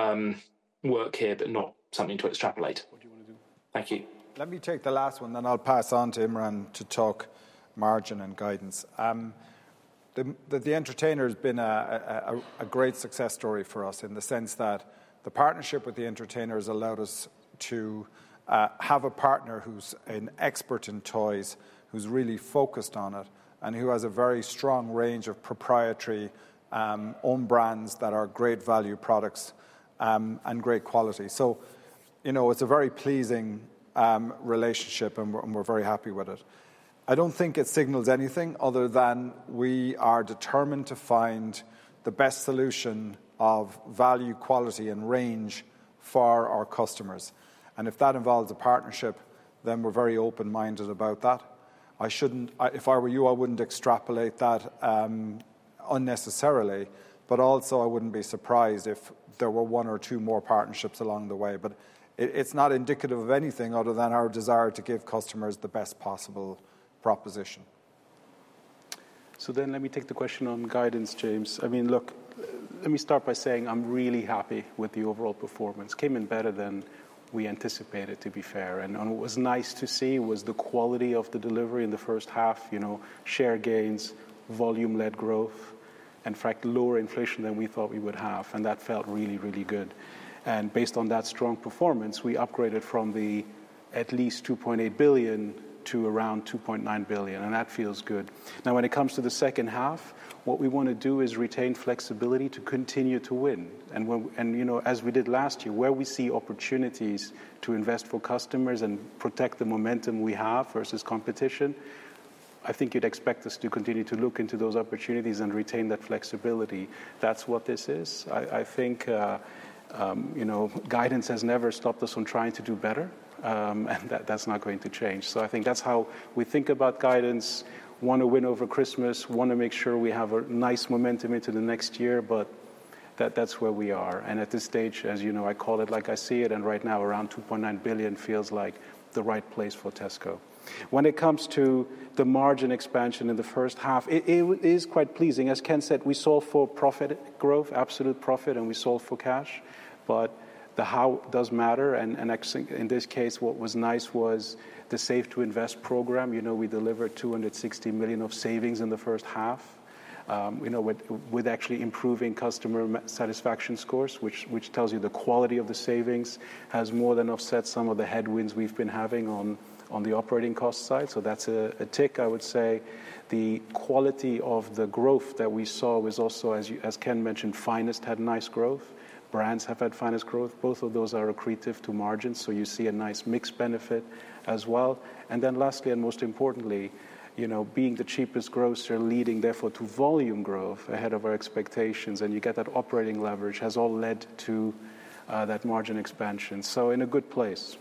work here, but not something to extrapolate? What do you want to do? Thank you. Let me take the last one, then I'll pass on to Imran to talk margin and guidance. The Entertainer has been a great success story for us in the sense that the partnership with The Entertainer has allowed us to have a partner who's an expert in toys, who's really focused on it, and who has a very strong range of proprietary own brands that are great value products and great quality. So, you know, it's a very pleasing relationship, and we're very happy with it. I don't think it signals anything other than we are determined to find the best solution of value, quality, and range for our customers, and if that involves a partnership, then we're very open-minded about that. I shouldn't... If I were you, I wouldn't extrapolate that unnecessarily, but also I wouldn't be surprised if there were one or two more partnerships along the way. But it's not indicative of anything other than our desire to give customers the best possible proposition. So then let me take the question on guidance, James. I mean, look, let me start by saying I'm really happy with the overall performance. Came in better than we anticipated, to be fair, and what was nice to see was the quality of the delivery in the first half, you know, share gains, volume-led growth, in fact, lower inflation than we thought we would have, and that felt really, really good. And based on that strong performance, we upgraded from at least £2.8 billion to around £2.9 billion, and that feels good. Now, when it comes to the second half, what we want to do is retain flexibility to continue to win, and when, you know, as we did last year, where we see opportunities to invest for customers and protect the momentum we have versus competition. I think you'd expect us to continue to look into those opportunities and retain that flexibility. That's what this is. I think, you know, guidance has never stopped us from trying to do better, and that's not going to change. So I think that's how we think about guidance. Wanna win over Christmas, wanna make sure we have a nice momentum into the next year, but that's where we are. And at this stage, as you know, I call it like I see it, and right now, around £2.9 billion feels like the right place for Tesco. When it comes to the margin expansion in the first half, it is quite pleasing. As Ken said, we solved for profit growth, absolute profit, and we solved for cash, but the how does matter, and actually, in this case, what was nice was the Save to Invest program. You know, we delivered £260 million of savings in the first half, you know, with actually improving customer satisfaction scores, which tells you the quality of the savings has more than offset some of the headwinds we've been having on the operating cost side. So that's a tick, I would say. The quality of the growth that we saw was also, as Ken mentioned, Finest had nice growth. Brands have had Finest growth. Both of those are accretive to margins, so you see a nice mixed benefit as well. And then lastly, and most importantly, you know, being the cheapest grocer, leading therefore to volume growth ahead of our expectations, and you get that operating leverage, has all led to that margin expansion. So in a good place.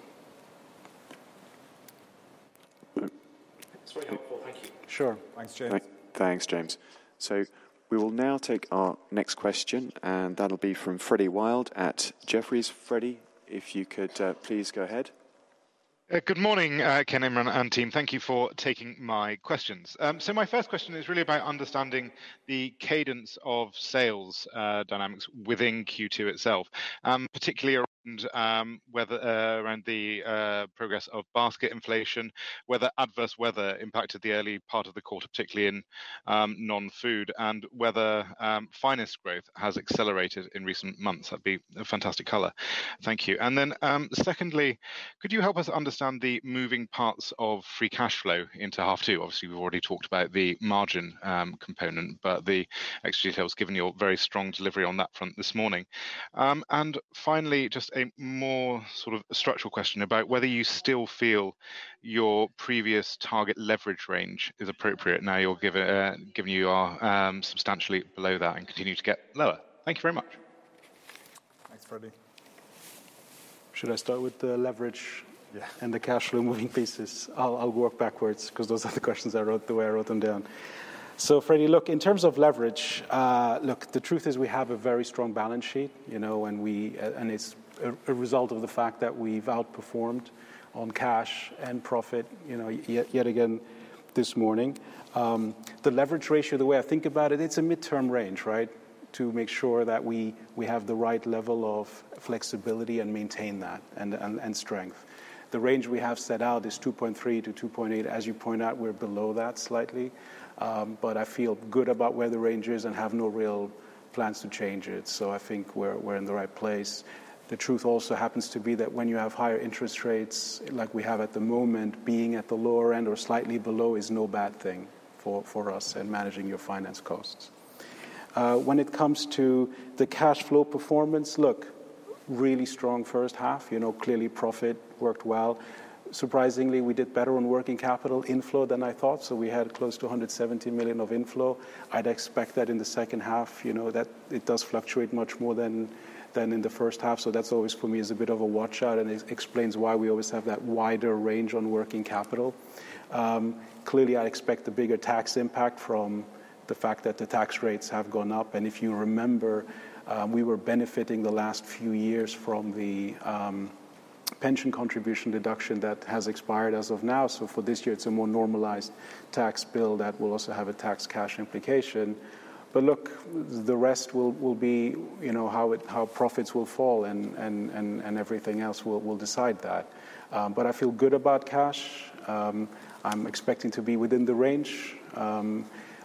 That's very helpful. Thank you. Sure. Thanks, James. Thanks, James. So we will now take our next question, and that'll be from Freddie Wild at Jefferies. Freddie, if you could, please go ahead. Good morning, Ken, Imran, and team. Thank you for taking my questions. So my first question is really about understanding the cadence of sales dynamics within Q2 itself, particularly around weather around the progress of basket inflation, whether adverse weather impacted the early part of the quarter, particularly in non-food, and whether Finest growth has accelerated in recent months. That'd be a fantastic color. Thank you. And then secondly, could you help us understand the moving parts of Free Cash Flow into half two? Obviously, we've already talked about the margin component, but the extra details, given your very strong delivery on that front this morning. And finally, just a more sort of structural question about whether you still feel your previous target leverage range is appropriate now, given you are substantially below that and continue to get lower. Thank you very much. Thanks, Freddie. Should I start with the leverage- Yeah. And the cash flow moving pieces? I'll work backwards 'cause those are the questions I wrote the way I wrote them down. So Freddie, look, in terms of leverage, look, the truth is we have a very strong balance sheet, you know, and we, and it's a result of the fact that we've outperformed on cash and profit, you know, yet again this morning. The leverage ratio, the way I think about it, it's a midterm range, right? To make sure that we have the right level of flexibility and maintain that, and strength. The range we have set out is 2.3-2.8. As you point out, we're below that slightly, but I feel good about where the range is and have no real plans to change it. So I think we're in the right place. The truth also happens to be that when you have higher interest rates like we have at the moment, being at the lower end or slightly below is no bad thing for us in managing your finance costs. When it comes to the cash flow performance, look, really strong first half, you know, clearly profit worked well. Surprisingly, we did better on working capital inflow than I thought, so we had close to £170 million of inflow. I'd expect that in the second half, you know, that it does fluctuate much more than in the first half. So that's always, for me, is a bit of a watch-out and explains why we always have that wider range on working capital. Clearly, I expect a bigger tax impact from the fact that the tax rates have gone up, and if you remember, we were benefiting the last few years from the pension contribution deduction that has expired as of now. So for this year, it's a more normalized tax bill that will also have a tax cash implication. But look, the rest will be, you know, how profits will fall and everything else will decide that. But I feel good about cash. I'm expecting to be within the range.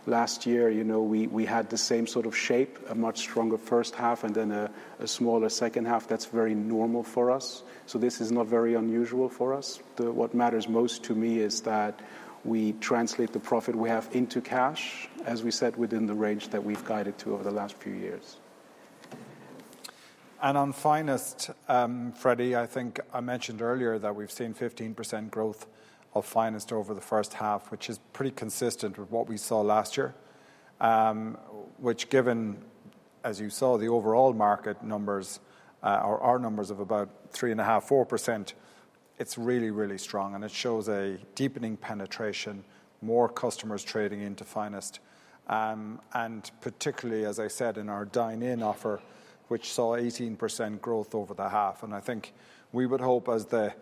Last year, you know, we had the same sort of shape, a much stronger first half and then a smaller second half. That's very normal for us. So this is not very unusual for us. What matters most to me is that we translate the profit we have into cash, as we said, within the range that we've guided to over the last few years. On Finest, Freddie, I think I mentioned earlier that we've seen 15% growth of Finest over the first half, which is pretty consistent with what we saw last year. Which, given as you saw the overall market numbers, our numbers of about 3.5%-4%, is really, really strong, and it shows a deepening penetration, more customers trading into Finest. Particularly, as I said, in our dine-in offer, which saw 18% growth over the half, and I think we would hope as the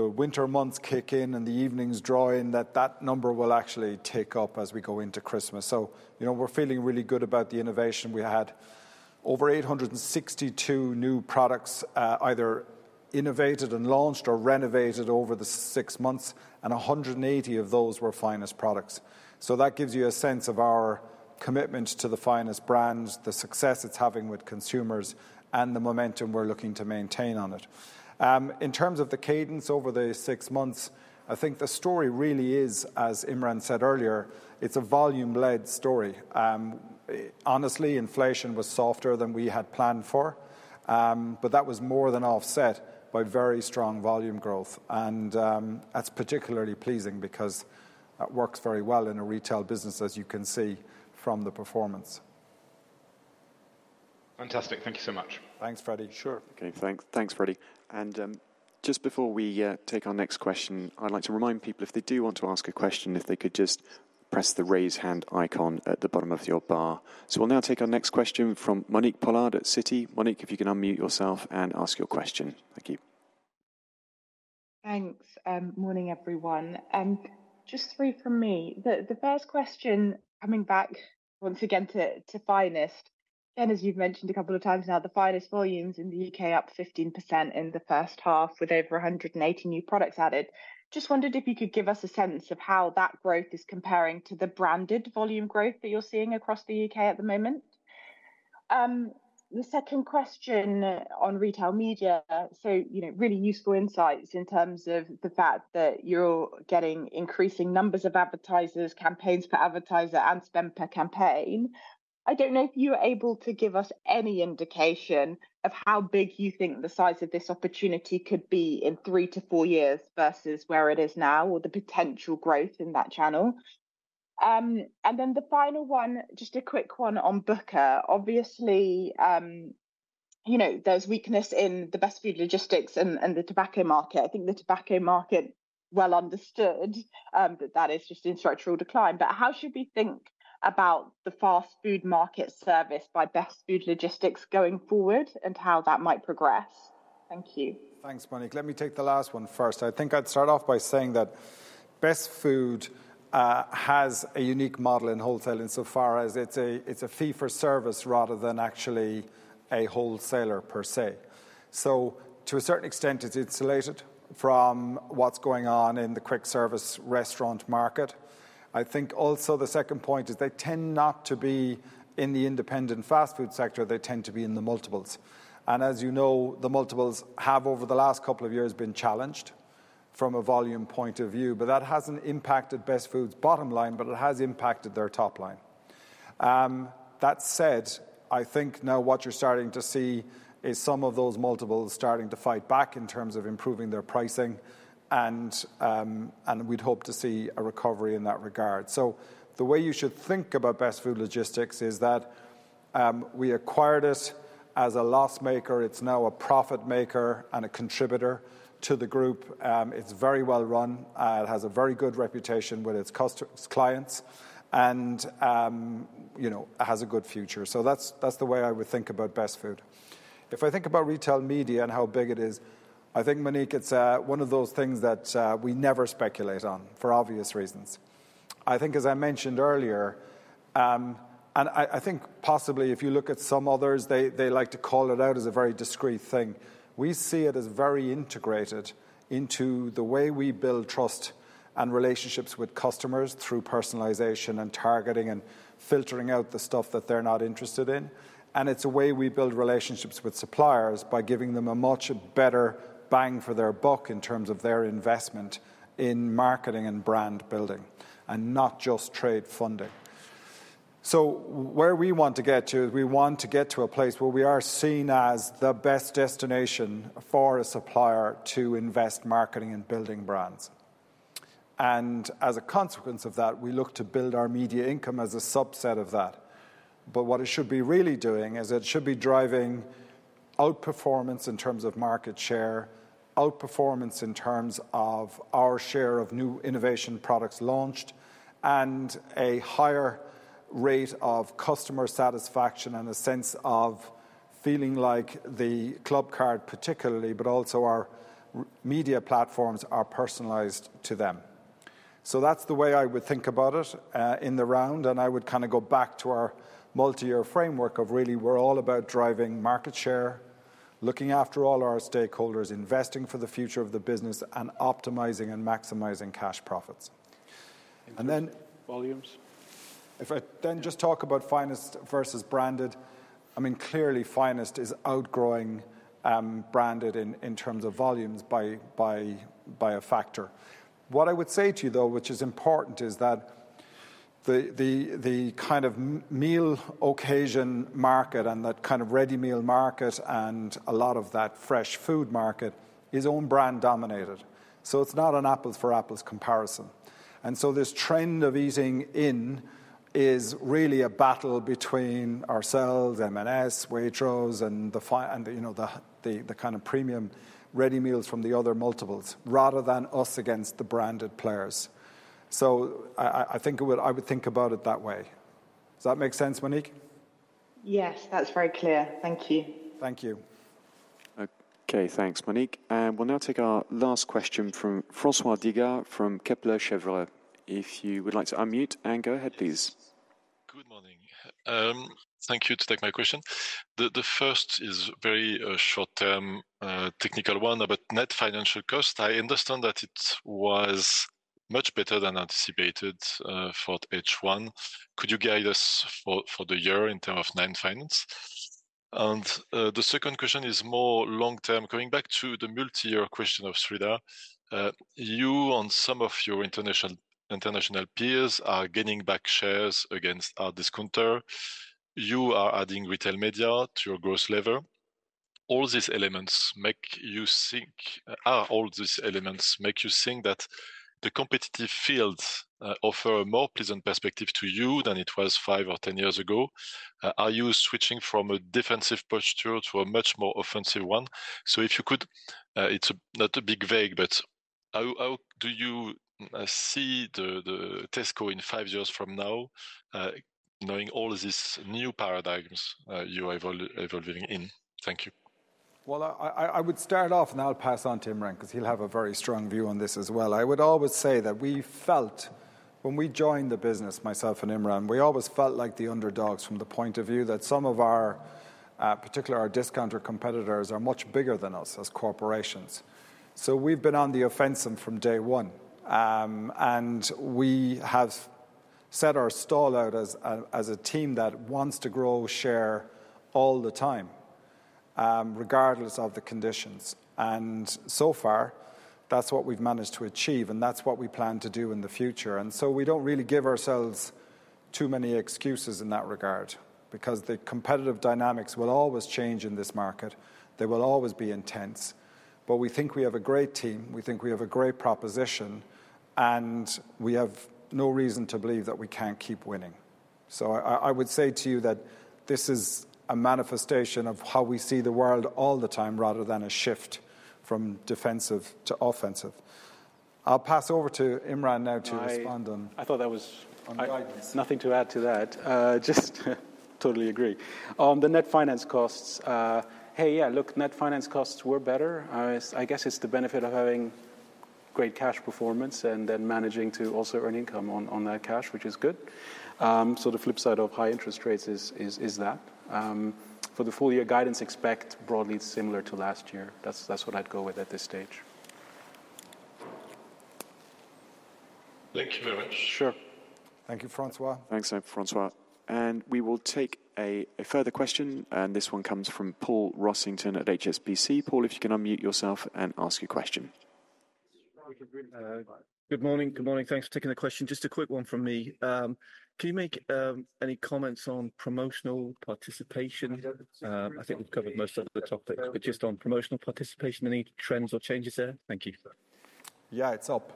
winter months kick in and the evenings draw in, that that number will actually tick up as we go into Christmas. You know, we're feeling really good about the innovation. We had over eight hundred and sixty-two new products, either innovated and launched or renovated over the six months, and 180 of those were Finest products. So that gives you a sense of our commitment to the Finest brands, the success it's having with consumers, and the momentum we're looking to maintain on it. In terms of the cadence over the six months, I think the story really is, as Imran said earlier, it's a volume-led story. Honestly, inflation was softer than we had planned for, but that was more than offset by very strong volume growth, and that's particularly pleasing because that works very well in a retail business, as you can see from the performance.... Fantastic. Thank you so much. Thanks, Freddie. Sure. Okay, thanks. Thanks, Freddie. And, just before we take our next question, I'd like to remind people, if they do want to ask a question, if they could just press the raise hand icon at the bottom of your bar. So we'll now take our next question from Monique Pollard at Citi. Monique, if you can unmute yourself and ask your question. Thank you. Thanks, and morning, everyone. Just three from me. The first question, coming back once again to Finest. Again, as you've mentioned a couple of times now, the Finest volumes in the U.K. up 15% in the first half, with over 180 new products added. Just wondered if you could give us a sense of how that growth is comparing to the branded volume growth that you're seeing across the U.K. at the moment? The second question on retail media. So, you know, really useful insights in terms of the fact that you're getting increasing numbers of advertisers, campaigns per advertiser, and spend per campaign. I don't know if you're able to give us any indication of how big you think the size of this opportunity could be in three to four years versus where it is now, or the potential growth in that channel. And then the final one, just a quick one on Booker. Obviously, you know, there's weakness in the Best Food Logistics and the tobacco market. I think the tobacco market, well understood, that is just in structural decline. But how should we think about the fast food market service by Best Food Logistics going forward and how that might progress? Thank you. Thanks, Monique. Let me take the last one first. I think I'd start off by saying that Best Food has a unique model in wholesaling, so far as it's a fee for service rather than actually a wholesaler per se. So to a certain extent, it's insulated from what's going on in the quick service restaurant market. I think also the second point is they tend not to be in the independent fast food sector, they tend to be in the multiples. And as you know, the multiples have, over the last couple of years, been challenged from a volume point of view. But that hasn't impacted Best Food's bottom line, but it has impacted their top line. That said, I think now what you're starting to see is some of those multiples starting to fight back in terms of improving their pricing and, and we'd hope to see a recovery in that regard. So the way you should think about Best Food Logistics is that, we acquired it as a loss maker. It's now a profit maker and a contributor to the group. It's very well run, it has a very good reputation with its customers, clients, and, you know, it has a good future. So that's, that's the way I would think about Best Food. If I think about retail media and how big it is, I think, Monique, it's, one of those things that, we never speculate on, for obvious reasons. I think, as I mentioned earlier... And I think possibly if you look at some others, they like to call it out as a very discrete thing. We see it as very integrated into the way we build trust and relationships with customers through personalization and targeting and filtering out the stuff that they're not interested in, and it's a way we build relationships with suppliers by giving them a much better bang for their buck in terms of their investment in marketing and brand building, and not just trade funding. So where we want to get to is we want to get to a place where we are seen as the best destination for a supplier to invest marketing and building brands. And as a consequence of that, we look to build our media income as a subset of that. But what it should be really doing is it should be driving outperformance in terms of market share, outperformance in terms of our share of new innovation products launched, and a higher rate of customer satisfaction and a sense of feeling like the Clubcard particularly, but also our retail media platforms are personalized to them. So that's the way I would think about it, in the round, and I would kind of go back to our multi-year framework of really, we're all about driving market share, looking after all our stakeholders, investing for the future of the business, and optimizing and maximizing cash profits. And then- Volumes. If I then just talk about Finest versus Branded, I mean, clearly, Finest is outgrowing Branded in terms of volumes by a factor. What I would say to you, though, which is important, is that the kind of meal occasion market and that kind of ready meal market and a lot of that fresh food market is own brand dominated. So it's not an apples for apples comparison. And so this trend of eating in is really a battle between ourselves, M&S, Waitrose, and, you know, the kind of premium ready meals from the other multiples, rather than us against the branded players. So I think I would think about it that way. Does that make sense, Monique? Yes, that's very clear. Thank you. Thank you. Okay, thanks, Monique. And we'll now take our last question from François Digard from Kepler Cheuvreux. If you would like to unmute and go ahead, please. Good morning. Thank you to take my question. The first is very short-term technical one about net finance cost. I understand that it was much better than anticipated for H1. Could you guide us for the year in terms of net finance? And the second question is more long-term. Going back to the multi-year question of Sreedhar. You and some of your international peers are gaining back shares against discounters. You are adding retail media to your growth level. All these elements make you think that the competitive fields offer a more pleasant perspective to you than it was five or 10 years ago. Are you switching from a defensive posture to a much more offensive one? If you could, it's not a big vague, but how do you see the Tesco in five years from now, knowing all these new paradigms you are evolving in? Thank you. I would start off, and I'll pass on to Imran, 'cause he'll have a very strong view on this as well. I would always say that we felt when we joined the business, myself and Imran, we always felt like the underdogs from the point of view that some of our particular discounter competitors are much bigger than us as corporations. So we've been on the offensive from day one. And we have set our stall out as a team that wants to grow share all the time, regardless of the conditions, and so far, that's what we've managed to achieve, and that's what we plan to do in the future. And so we don't really give ourselves too many excuses in that regard because the competitive dynamics will always change in this market. They will always be intense. But we think we have a great team, we think we have a great proposition, and we have no reason to believe that we can't keep winning. So I, I would say to you that this is a manifestation of how we see the world all the time, rather than a shift from defensive to offensive. I'll pass over to Imran now to respond on- I- On guidance. I thought that was. Nothing to add to that. Just totally agree. The net finance costs, hey, yeah, look, net finance costs were better. I guess it's the benefit of having great cash performance and then managing to also earn income on that cash, which is good. So the flip side of high interest rates is that. For the full year guidance, expect broadly similar to last year. That's what I'd go with at this stage. Thank you very much. Sure. Thank you, François. Thanks, François. We will take a further question, and this one comes from Paul Rossington at HSBC. Paul, if you can unmute yourself and ask your question. Good morning. Good morning. Thanks for taking the question. Just a quick one from me. Can you make any comments on promotional participation? I think we've covered most of the topics, but just on promotional participation, any trends or changes there? Thank you. Yeah, it's up.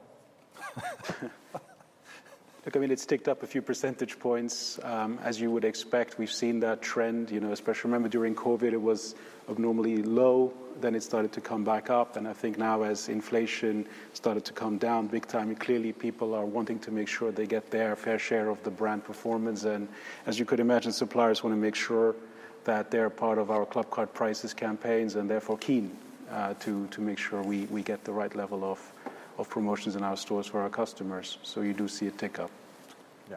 Look, I mean, it's ticked up a few percentage points. As you would expect, we've seen that trend, you know, especially, remember, during COVID, it was abnormally low, then it started to come back up, and I think now as inflation started to come down big time, clearly, people are wanting to make sure they get their fair share of the brand performance. And as you could imagine, suppliers want to make sure that they're part of our Clubcard Prices campaigns and therefore keen to make sure we get the right level of promotions in our stores for our customers. So you do see a tick-up. Yeah.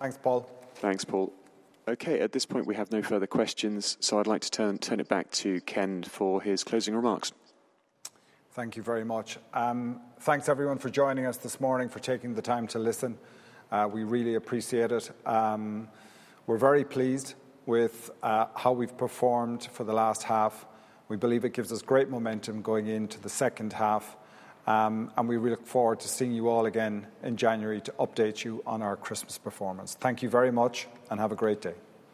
Thanks, Paul. Thanks, Paul. Okay, at this point, we have no further questions, so I'd like to turn it back to Ken for his closing remarks. Thank you very much. Thanks, everyone, for joining us this morning, for taking the time to listen. We really appreciate it. We're very pleased with how we've performed for the last half. We believe it gives us great momentum going into the second half, and we look forward to seeing you all again in January to update you on our Christmas performance. Thank you very much, and have a great day.